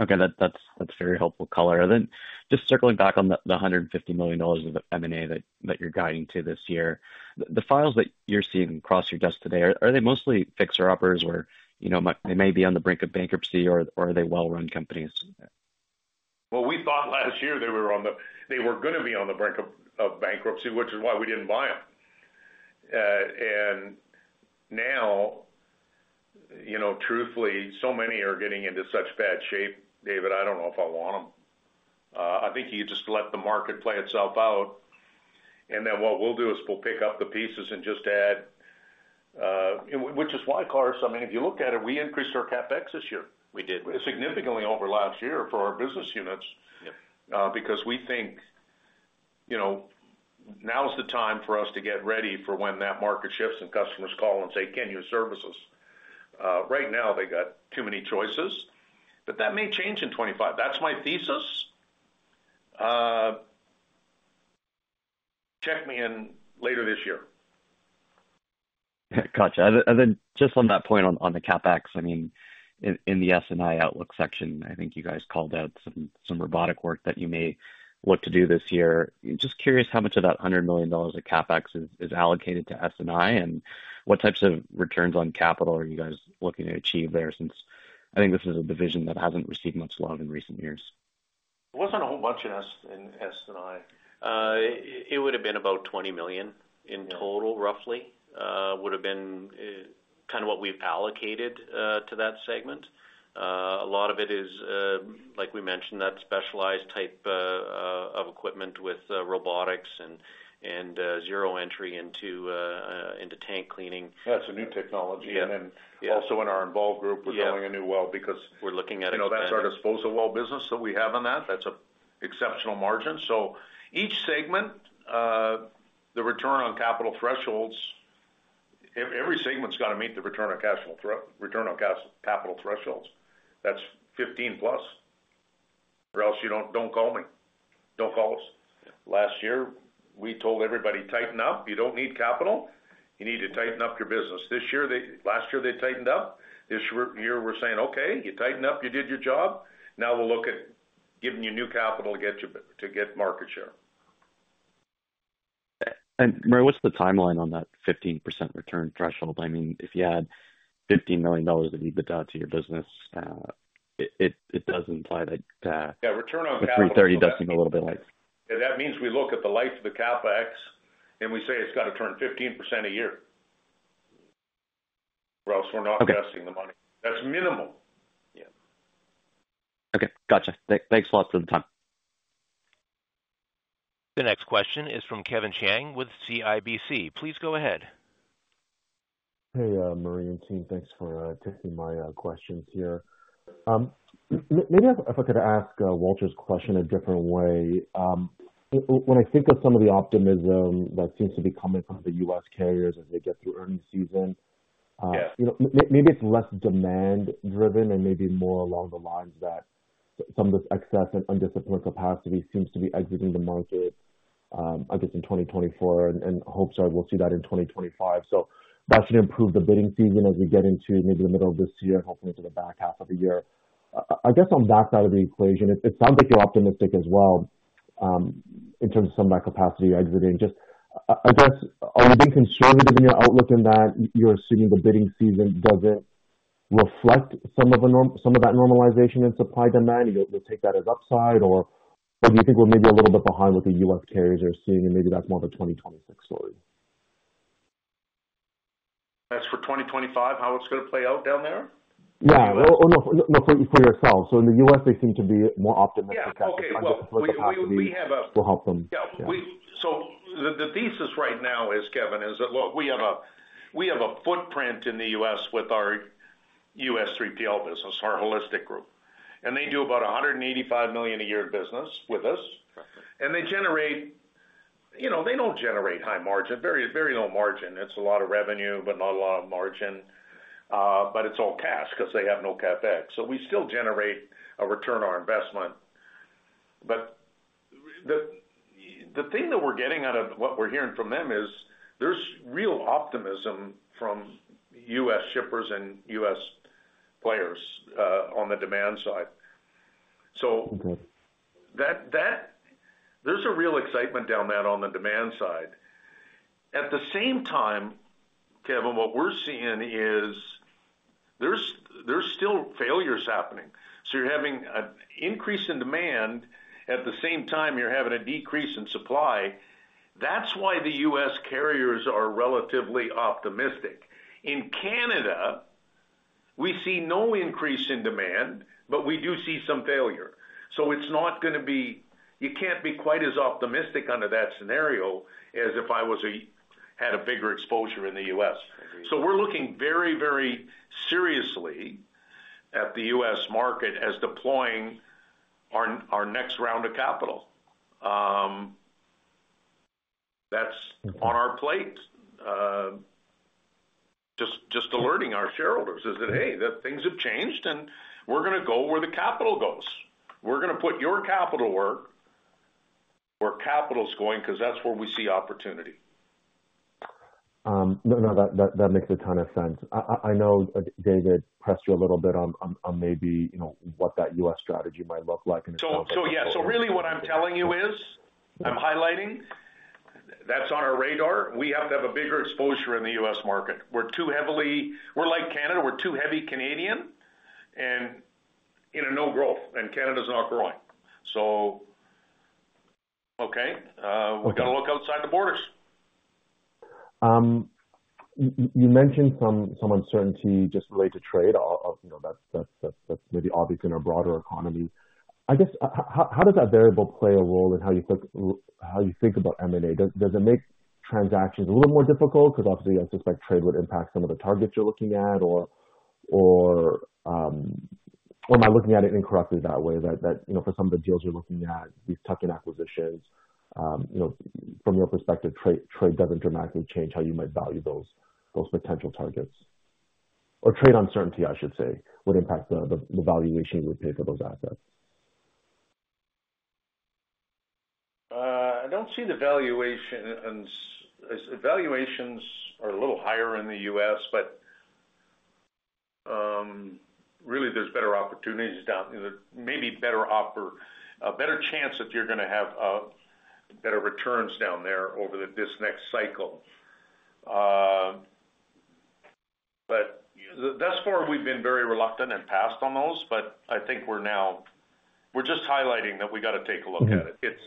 Okay. That's very helpful color. And then just circling back on the $150 million of M&A that you're guiding to this year, the files that you're seeing across your desk today, are they mostly fixer-uppers or, you know, they may be on the brink of bankruptcy or are they well-run companies? We thought last year they were going to be on the brink of bankruptcy, which is why we didn't buy them. And now, you know, truthfully, so many are getting into such bad shape, David. I don't know if I want them. I think you just let the market play itself out. And then what we'll do is we'll pick up the pieces and just add, which is why, Carson, I mean, if you look at it, we increased our CapEx this year. We did. Significantly over last year for our business units. Because we think, you know, now's the time for us to get ready for when that market shifts and customers call and say, "Can you service us?" Right now, they got too many choices, but that may change in 2025. That's my thesis. Check me in later this year. Gotcha. And then just on that point on the CapEx, I mean, in the S&I Outlook section, I think you guys called out some robotic work that you may look to do this year. Just curious how much of that $100 million of CapEx is allocated to S&I and what types of returns on capital are you guys looking to achieve there since I think this is a division that hasn't received much love in recent years? It wasn't a whole bunch in S&I. It would have been about $20 million in total, roughly. Would have been kind of what we've allocated to that segment. A lot of it is, like we mentioned, that specialized type of equipment with robotics and zero entry into tank cleaning. Yeah. It's a new technology. And then also in our Envolve group, we're doing a new well because. We're looking at it. You know, that's our disposal well business that we have on that. That's an exceptional margin. So, each segment, the return on capital thresholds, every segment's got to meet the return on capital thresholds. That's 15 plus. Or else you don't call me. Don't call us. Last year, we told everybody, "Tighten up. You don't need capital. You need to tighten up your business." This year, last year they tightened up. This year, we're saying, "Okay, you tightened up, you did your job. Now we'll look at giving you new capital to get market share. Murray, what's the timeline on that 15% return threshold? I mean, if you had $15 million that you bid out to your business, it does imply that. Yeah, return on capital. $330 million does seem a little bit like. That means we look at the life of the CapEx and we say it's got to turn 15% a year. Or else we're not investing the money. That's minimal. Yeah. Okay. Gotcha. Thanks a lot for the time. The next question is from Kevin Chiang with CIBC. Please go ahead. Hey, Murray and team, thanks for taking my questions here. Maybe if I could ask Walter's question a different way. When I think of some of the optimism that seems to be coming from the U.S. carriers as they get through earnings season, you know, maybe it's less demand-driven and maybe more along the lines that some of this excess and undisciplined capacity seems to be exiting the market, I guess, in 2024, and hopes are we'll see that in 2025. So, that should improve the bidding season as we get into maybe the middle of this year and hopefully into the back half of the year. I guess on that side of the equation, it sounds like you're optimistic as well in terms of some of that capacity exiting. Just, I guess, are you being conservative in your outlook in that you're assuming the bidding season doesn't reflect some of that normalization in supply demand? You'll take that as upside or do you think we're maybe a little bit behind what the U.S. carriers are seeing and maybe that's more of a 2026 story? As for 2025, how it's going to play out down there? Yeah. Well, no, for yourself. So, in the U.S., they seem to be more optimistic that undisciplined capacity will help them. The thesis right now is, Kevin, that we have a footprint in the U.S. with our U.S. 3PL business, our HAUListic Group. And they do about $185 million a year of business with us. And they generate, you know, they don't generate high margin, very low margin. It's a lot of revenue, but not a lot of margin. But it's all cash because they have no CapEx. So, we still generate a return on our investment. But the thing that we're getting out of what we're hearing from them is there's real optimism from U.S. shippers and U.S. players on the demand side. So, there's a real excitement down there on the demand side. At the same time, Kevin, what we're seeing is there's still failures happening. So, you're having an increase in demand. At the same time, you're having a decrease in supply. That's why the U.S. Carriers are relatively optimistic. In Canada, we see no increase in demand, but we do see some failure. So, it's not going to be, you can't be quite as optimistic under that scenario as if I had a bigger exposure in the U.S. So, we're looking very, very seriously at the U.S. market as deploying our next round of capital. That's on our plate. Just alerting our shareholders is that, hey, things have changed and we're going to go where the capital goes. We're going to put your capital where capital's going because that's where we see opportunity. No, no, that makes a ton of sense. I know David pressed you a little bit on maybe, you know, what that U.S. strategy might look like. Yeah, so really what I'm telling you is, I'm highlighting, that's on our radar. We have to have a bigger exposure in the U.S. market. We're too heavily, we're like Canada, we're too heavy Canadian and in a no-growth. And Canada's not growing. Okay, we've got to look outside the borders. You mentioned some uncertainty just related to trade. You know, that's maybe obvious in our broader economy. I guess, how does that variable play a role in how you think about M&A? Does it make transactions a little more difficult? Because obviously, I suspect trade would impact some of the targets you're looking at or am I looking at it incorrectly that way that, you know, for some of the deals you're looking at, these tuck-in acquisitions, you know, from your perspective, trade doesn't dramatically change how you might value those potential targets? Or trade uncertainty, I should say, would impact the valuation you would pay for those assets. I don't see the valuations. Valuations are a little higher in the U.S., but really there's better opportunities down there. Maybe better chance that you're going to have better returns down there over this next cycle. But thus far, we've been very reluctant and passed on those, but I think we're now, we're just highlighting that we got to take a look at it. It's,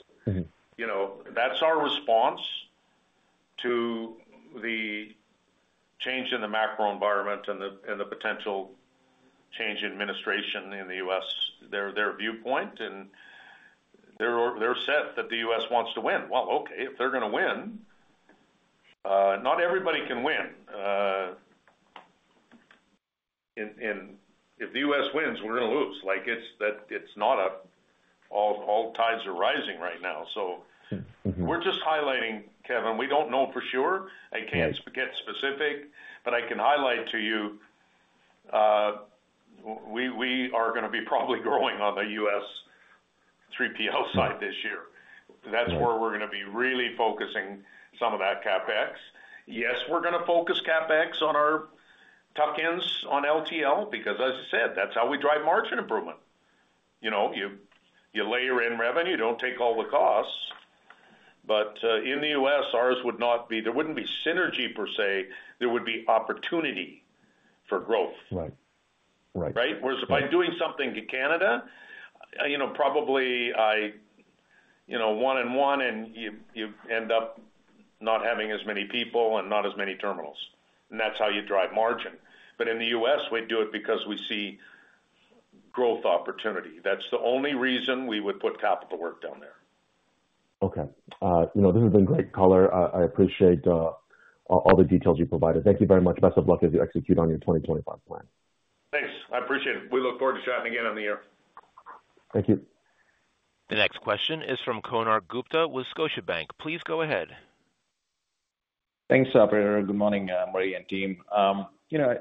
you know, that's our response to the change in the macro environment and the potential change in administration in the U.S., their viewpoint. And they're set that the U.S. wants to win. Well, okay, if they're going to win, not everybody can win. And if the U.S. wins, we're going to lose. Like, it's not up. All tides are rising right now. So, we're just highlighting, Kevin, we don't know for sure. I can't get specific, but I can highlight to you we are going to be probably growing on the U.S. 3PL side this year. That's where we're going to be really focusing some of that CapEx. Yes, we're going to focus CapEx on our tuck-ins on LTL because, as I said, that's how we drive margin improvement. You know, you layer in revenue, you don't take all the costs. But in the U.S., ours would not be. There wouldn't be synergy per se. There would be opportunity for growth. Right. Right. Right? Whereas if I'm doing something to Canada, you know, probably I, you know, one-on-one and you end up not having as many people and not as many terminals. And that's how you drive margin. But in the U.S., we do it because we see growth opportunity. That's the only reason we would put capital work down there. Okay. You know, this has been great color. I appreciate all the details you provided. Thank you very much. Best of luck as you execute on your 2025 plan. Thanks. I appreciate it. We look forward to chatting again in a year. Thank you. The next question is from Konark Gupta with Scotiabank. Please go ahead. Thanks, Brenner. Good morning, Murray and team. You know,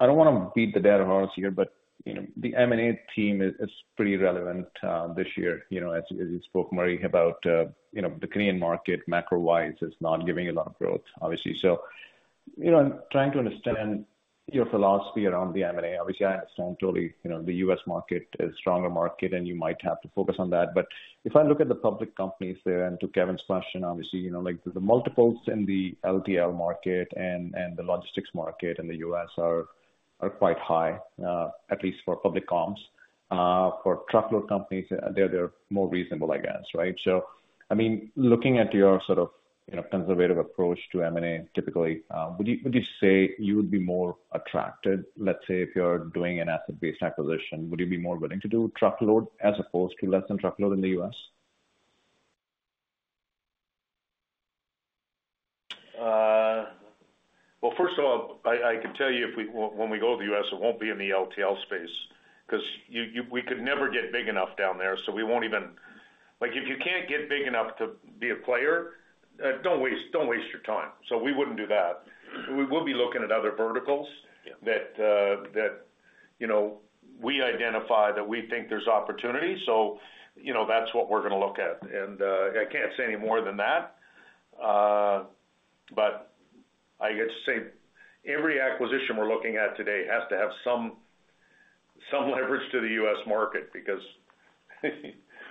I don't want to beat the dead horse here, but, you know, the M&A theme is pretty relevant this year. You know, as you spoke, Murray, about, you know, the Canadian market macro-wise is not giving a lot of growth, obviously. So, you know, I'm trying to understand your philosophy around the M&A. Obviously, I understand totally, you know, the U.S. market is a stronger market and you might have to focus on that. But if I look at the public companies there and to Kevin's question, obviously, you know, like the multiples in the LTL market and the logistics market in the U.S. are quite high, at least for public comps. For truckload companies, they're more reasonable, I guess, right? So, I mean, looking at your sort of, you know, conservative approach to M&A typically, would you say you would be more attracted, let's say, if you're doing an asset-based acquisition, would you be more willing to do truckload as opposed to less than truckload in the U.S.? First of all, I can tell you when we go to the U.S., it won't be in the LTL space because we could never get big enough down there. So, we won't even, like, if you can't get big enough to be a player, don't waste your time. So, we wouldn't do that. We will be looking at other verticals that, you know, we identify that we think there's opportunity. So, you know, that's what we're going to look at. And I can't say any more than that. But I get to say every acquisition we're looking at today has to have some leverage to the U.S. market because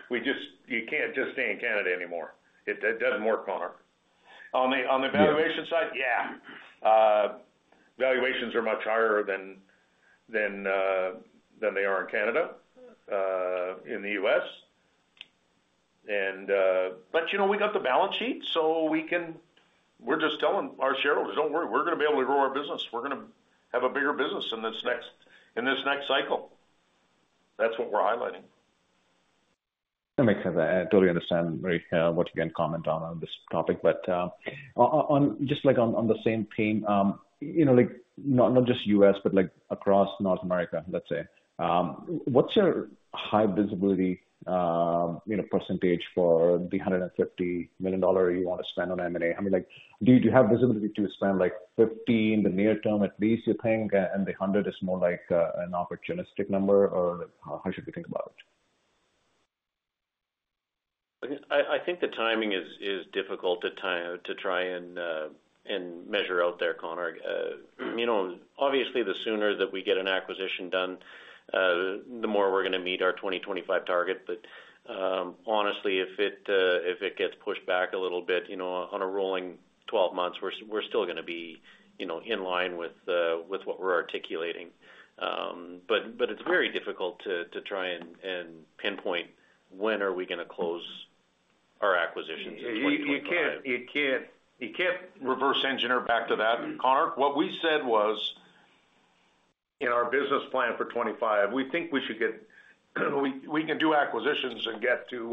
we just, you can't just stay in Canada anymore. It doesn't work on our. On the valuation side, yeah. Valuations are much higher than they are in Canada, in the U.S., and, but, you know, we got the balance sheet. So, we can, we're just telling our shareholders, don't worry, we're going to be able to grow our business. We're going to have a bigger business in this next cycle. That's what we're highlighting. That makes sense. I totally understand, Murray, what you're going to comment on this topic. But just like on the same theme, you know, like not just U.S., but like across North America, let's say, what's your high visibility, you know, percentage for the $150 million you want to spend on M&A? I mean, like, do you have visibility to spend like $50 million in the near term, at least, you think, and the $100 million is more like an opportunistic number, or how should we think about it? I think the timing is difficult to try and measure out there, Konark. You know, obviously, the sooner that we get an acquisition done, the more we're going to meet our 2025 target. But honestly, if it gets pushed back a little bit, you know, on a rolling 12 months, we're still going to be, you know, in line with what we're articulating. But it's very difficult to try and pinpoint when are we going to close our acquisitions? You can't reverse engineer back to that, Konark. What we said was in our business plan for 2025, we think we should get, we can do acquisitions and get to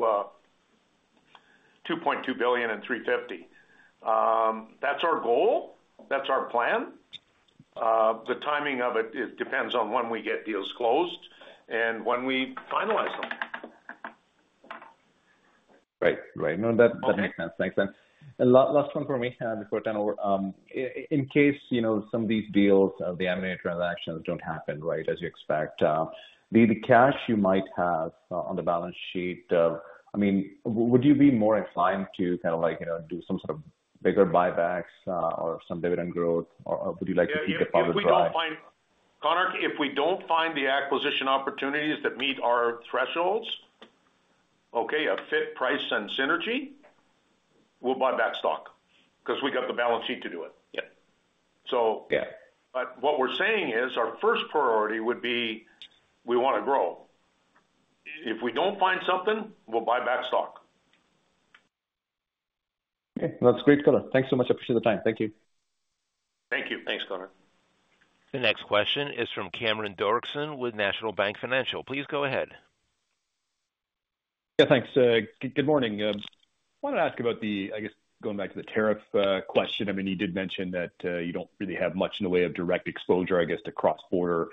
$2.2 billion and $350 million. That's our goal. That's our plan. The timing of it depends on when we get deals closed and when we finalize them. Right. Right. No, that makes sense. Makes sense. Last one for me before I turn over. In case, you know, some of these deals, the M&A transactions don't happen, right, as you expect, the cash you might have on the balance sheet, I mean, would you be more inclined to kind of like, you know, do some sort of bigger buybacks or some dividend growth, or would you like to keep the profits dry? Konark, if we don't find the acquisition opportunities that meet our thresholds, okay, a fair price and synergy, we'll buy back stock because we got the balance sheet to do it. But what we're saying is our first priority would be we want to grow. If we don't find something, we'll buy back stock. Okay. That's great color. Thanks so much. I appreciate the time. Thank you. Thank you. Thanks, Konark. The next question is from Cameron Doerksen with National Bank Financial. Please go ahead. Yeah, thanks. Good morning. I wanted to ask about the, I guess, going back to the tariff question. I mean, you did mention that you don't really have much in the way of direct exposure, I guess, to cross-border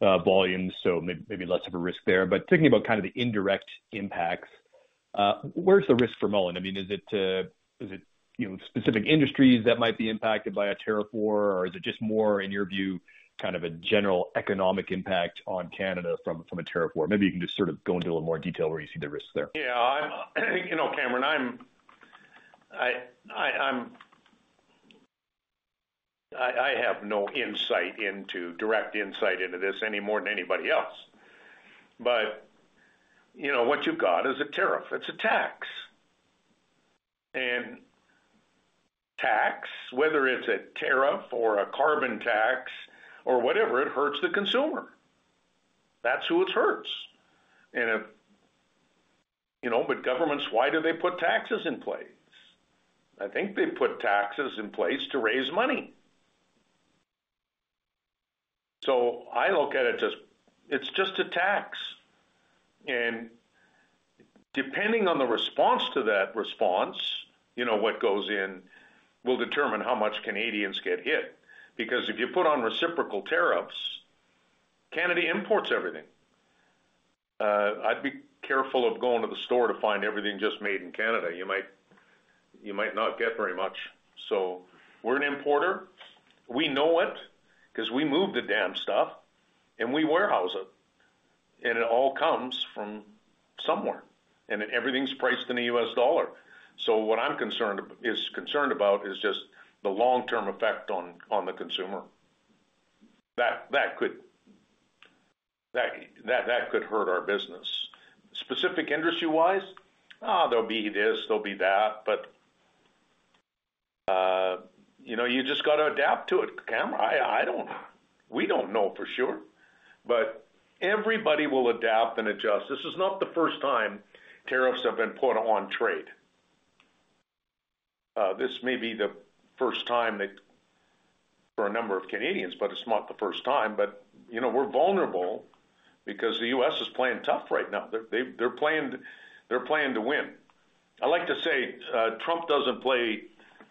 volumes. So, maybe less of a risk there. But thinking about kind of the indirect impacts, where's the risk for Mullen? I mean, is it, you know, specific industries that might be impacted by a tariff war, or is it just more, in your view, kind of a general economic impact on Canada from a tariff war? Maybe you can just sort of go into a little more detail where you see the risks there. Yeah. You know, Cameron, I have no direct insight into this any more than anybody else. But you know, what you've got is a tariff. It's a tax. And tax, whether it's a tariff or a carbon tax or whatever, it hurts the consumer. That's who it hurts. And you know, but governments, why do they put taxes in place? I think they put taxes in place to raise money. So I look at it as it's just a tax. And depending on the response, you know, what goes in will determine how much Canadians get hit. Because if you put on reciprocal tariffs, Canada imports everything. I'd be careful of going to the store to find everything just made in Canada. You might not get very much. So we're an importer. We know it because we move the damn stuff and we warehouse it, and it all comes from somewhere, and everything's priced in the US dollar, so what I'm concerned about is just the long-term effect on the consumer. That could, that could hurt our business. Specific industry-wise, there'll be this, there'll be that, but you know, you just got to adapt to it, Cameron. I don't, we don't know for sure, but everybody will adapt and adjust. This is not the first time tariffs have been put on trade. This may be the first time that for a number of Canadians, but it's not the first time, but you know, we're vulnerable because the U.S. is playing tough right now. They're playing to win. I like to say Trump doesn't play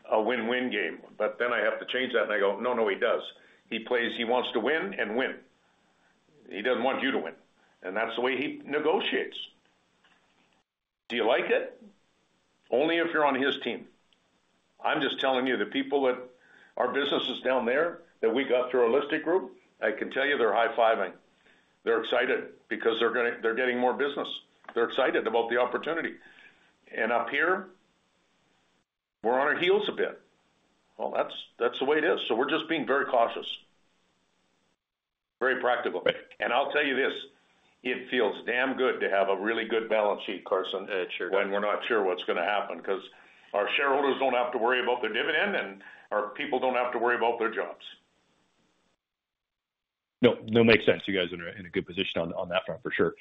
a win-win game, but then I have to change that and I go, no, no, he does. He plays. He wants to win and win. He doesn't want you to win. And that's the way he negotiates. Do you like it? Only if you're on his team. I'm just telling you the people that our business is down there that we got through HAUListic Group. I can tell you they're high-fiving. They're excited because they're getting more business. They're excited about the opportunity. And up here, we're on our heels a bit. Well, that's the way it is. So, we're just being very cautious. Very practical. And I'll tell you this. It feels damn good to have a really good balance sheet, Carson, when we're not sure what's going to happen because our shareholders don't have to worry about their dividend and our people don't have to worry about their jobs. No, no, makes sense. You guys are in a good position on that front for sure.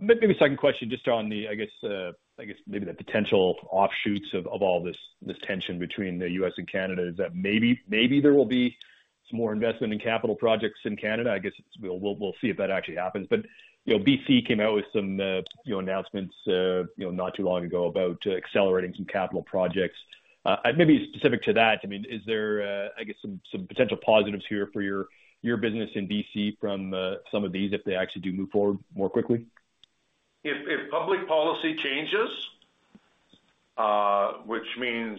Maybe a second question just on the, I guess, I guess maybe the potential offshoots of all this tension between the U.S. and Canada is that maybe there will be some more investment in capital projects in Canada. I guess we'll see if that actually happens, but you know, BC came out with some announcements, you know, not too long ago about accelerating some capital projects. Maybe specific to that, I mean, is there, I guess, some potential positives here for your business in BC from some of these if they actually do move forward more quickly? If public policy changes, which means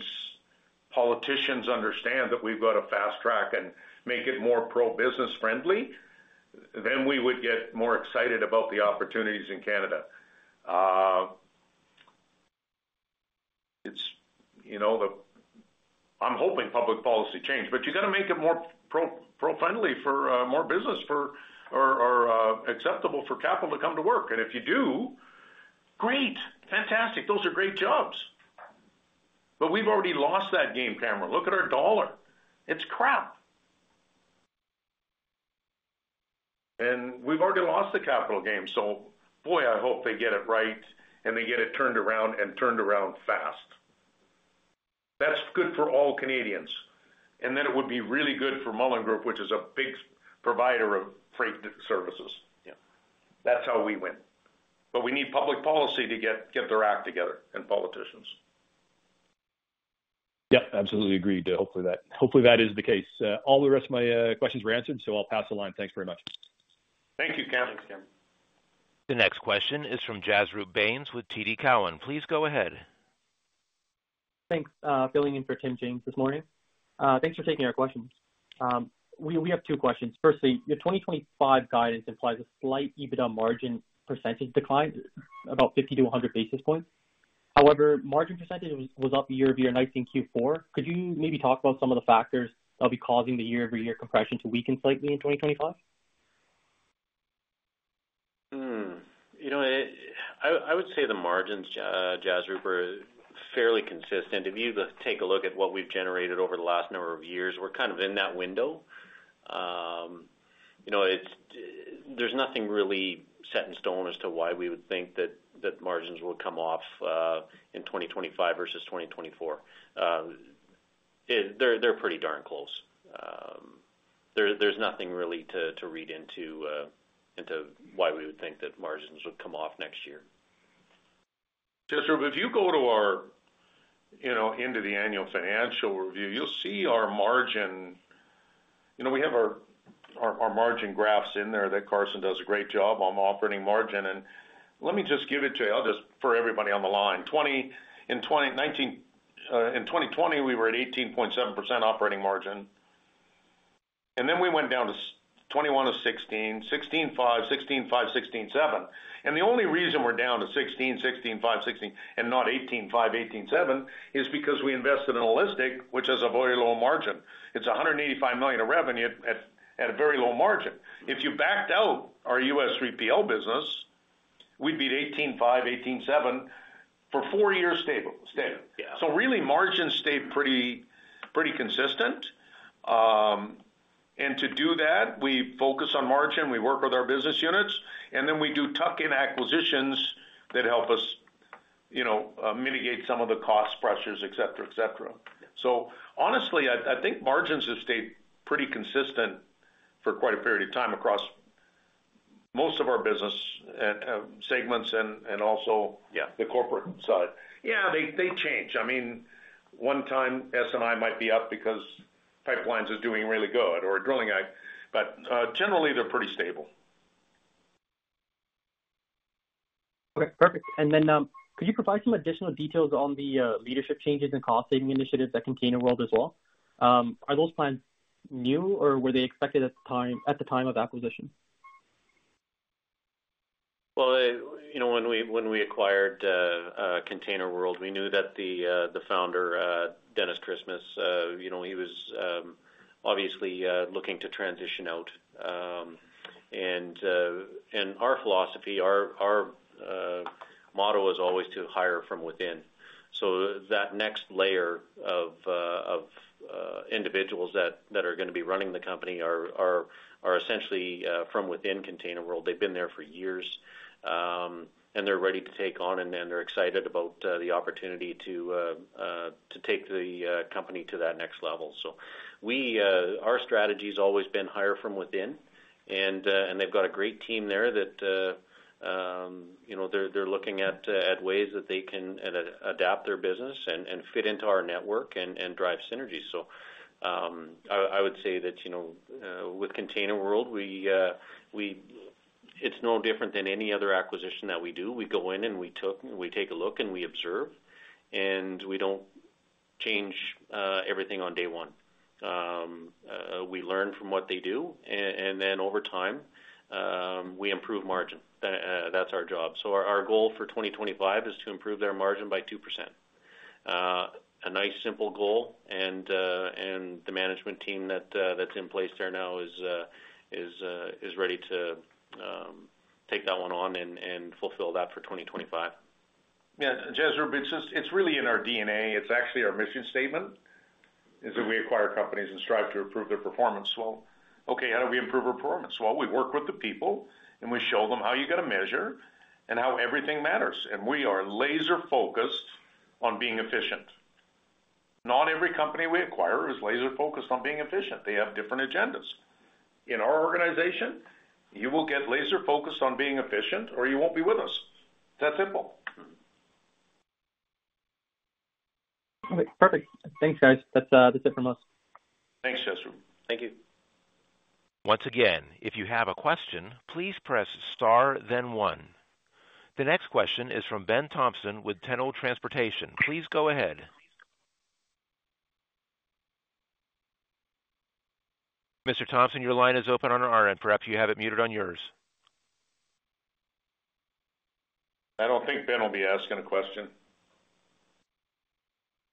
politicians understand that we've got to fast track and make it more pro-business friendly, then we would get more excited about the opportunities in Canada. It's, you know, I'm hoping public policy change, but you got to make it more pro-friendly for more business or acceptable for capital to come to work. And if you do, great, fantastic. Those are great jobs. But we've already lost that game, Cameron. Look at our dollar. It's crap. And we've already lost the capital game. So, boy, I hope they get it right and they get it turned around and turned around fast. That's good for all Canadians. And then it would be really good for Mullen Group, which is a big provider of freight services. That's how we win. But we need public policy to get their act together and politicians. Yep. Absolutely agreed. Hopefully that is the case. All the rest of my questions were answered. So, I'll pass the line. Thanks very much. Thank you, Cameron. The next question is from Jasroop Bains with TD Cowen. Please go ahead. Thanks. Billing in for Tim James this morning. Thanks for taking our questions. We have two questions. Firstly, your 2025 guidance implies a slight EBITDA margin percentage decline, about 50-100 basis points. However, margin percentage was up year-over-year in Q4 2019. Could you maybe talk about some of the factors that'll be causing the year-over-year compression to weaken slightly in 2025? You know, I would say the margins, Jasroop, are fairly consistent. If you take a look at what we've generated over the last number of years, we're kind of in that window. You know, there's nothing really set in stone as to why we would think that margins will come off in 2025 versus 2024. They're pretty darn close. There's nothing really to read into why we would think that margins would come off next year. Jasroop, if you go to our, you know, into the annual financial review, you'll see our margin, you know, we have our margin graphs in there that Carson does a great job on operating margin. Let me just give it to you. I'll just, for everybody on the line, in 2020, we were at 18.7% operating margin. Then we went down to 2021 of 16%, 16.5%, 16.5%, 16.7%. The only reason we're down to 16%, 16.5%, 16%, and not 18.5%, 18.7% is because we invested in HAUListic, which has a very low margin. It's $185 million of revenue at a very low margin. If you backed out our U.S. 3PL business, we'd be at 18.5%, 18.7% for four years stable. So, really, margins stay pretty consistent. And to do that, we focus on margin, we work with our business units, and then we do tuck-in acquisitions that help us, you know, mitigate some of the cost pressures, et cetera, et cetera. So, honestly, I think margins have stayed pretty consistent for quite a period of time across most of our business segments and also the corporate side. Yeah, they change. I mean, one time S&I might be up because pipelines is doing really good or Drilling, ag. But generally, they're pretty stable. Okay. Perfect. And then could you provide some additional details on the leadership changes and cost-saving initiatives that ContainerWorld as well? Are those plans new or were they expected at the time of acquisition? Well, you know, when we acquired ContainerWorld, we knew that the founder, Dennis Chrismas, you know, he was obviously looking to transition out. And our philosophy, our motto is always to hire from within. So, that next layer of individuals that are going to be running the company are essentially from within ContainerWorld. They've been there for years. And they're ready to take on and they're excited about the opportunity to take the company to that next level. So, our strategy has always been hire from within. And they've got a great team there that, you know, they're looking at ways that they can adapt their business and fit into our network and drive synergy. So, I would say that, you know, with ContainerWorld, it's no different than any other acquisition that we do. We go in and we take a look and we observe. And we don't change everything on day one. We learn from what they do. And then over time, we improve margin. That's our job. So, our goal for 2025 is to improve their margin by 2%. A nice simple goal. And the management team that's in place there now is ready to take that one on and fulfill that for 2025. Yeah. Jasroop, it's really in our DNA. It's actually our mission statement is that we acquire companies and strive to improve their performance. Well, okay, how do we improve our performance? Well, we work with the people and we show them how you got to measure and how everything matters. And we are laser-focused on being efficient. Not every company we acquire is laser-focused on being efficient. They have different agendas. In our organization, you will get laser-focused on being efficient or you won't be with us. That's simple. Perfect. Thanks, guys. That's it from us. Thanks, Jasroop. Thank you. Once again, if you have a question, please press star, then one. The next question is from Ben Thomson with Tenold Transportation. Please go ahead. Mr. Thomson, your line is open on our end. Perhaps you have it muted on yours. I don't think Ben will be asking a question.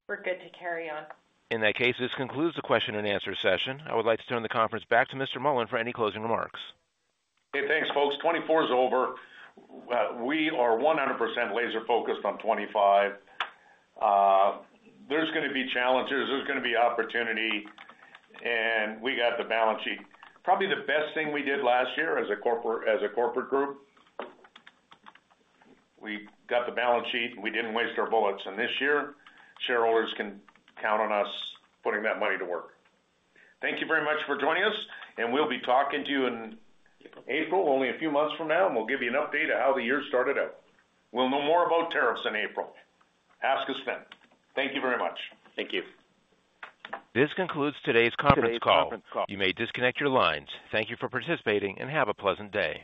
We're good to carry on. In that case, this concludes the question-and-answer session. I would like to turn the conference back to Mr. Mullen for any closing remarks. Hey, thanks, folks. 2024 is over. We are 100% laser-focused on 2025. There's going to be challenges. There's going to be opportunity, and we got the balance sheet. Probably the best thing we did last year as a corporate group. We got the balance sheet and we didn't waste our bullets. This year, shareholders can count on us putting that money to work. Thank you very much for joining us. We'll be talking to you in April, only a few months from now. We'll give you an update of how the year started out. We'll know more about tariffs in April. Ask us then. Thank you very much. Thank you. This concludes today's conference call. You may disconnect your lines. Thank you for participating and have a pleasant day.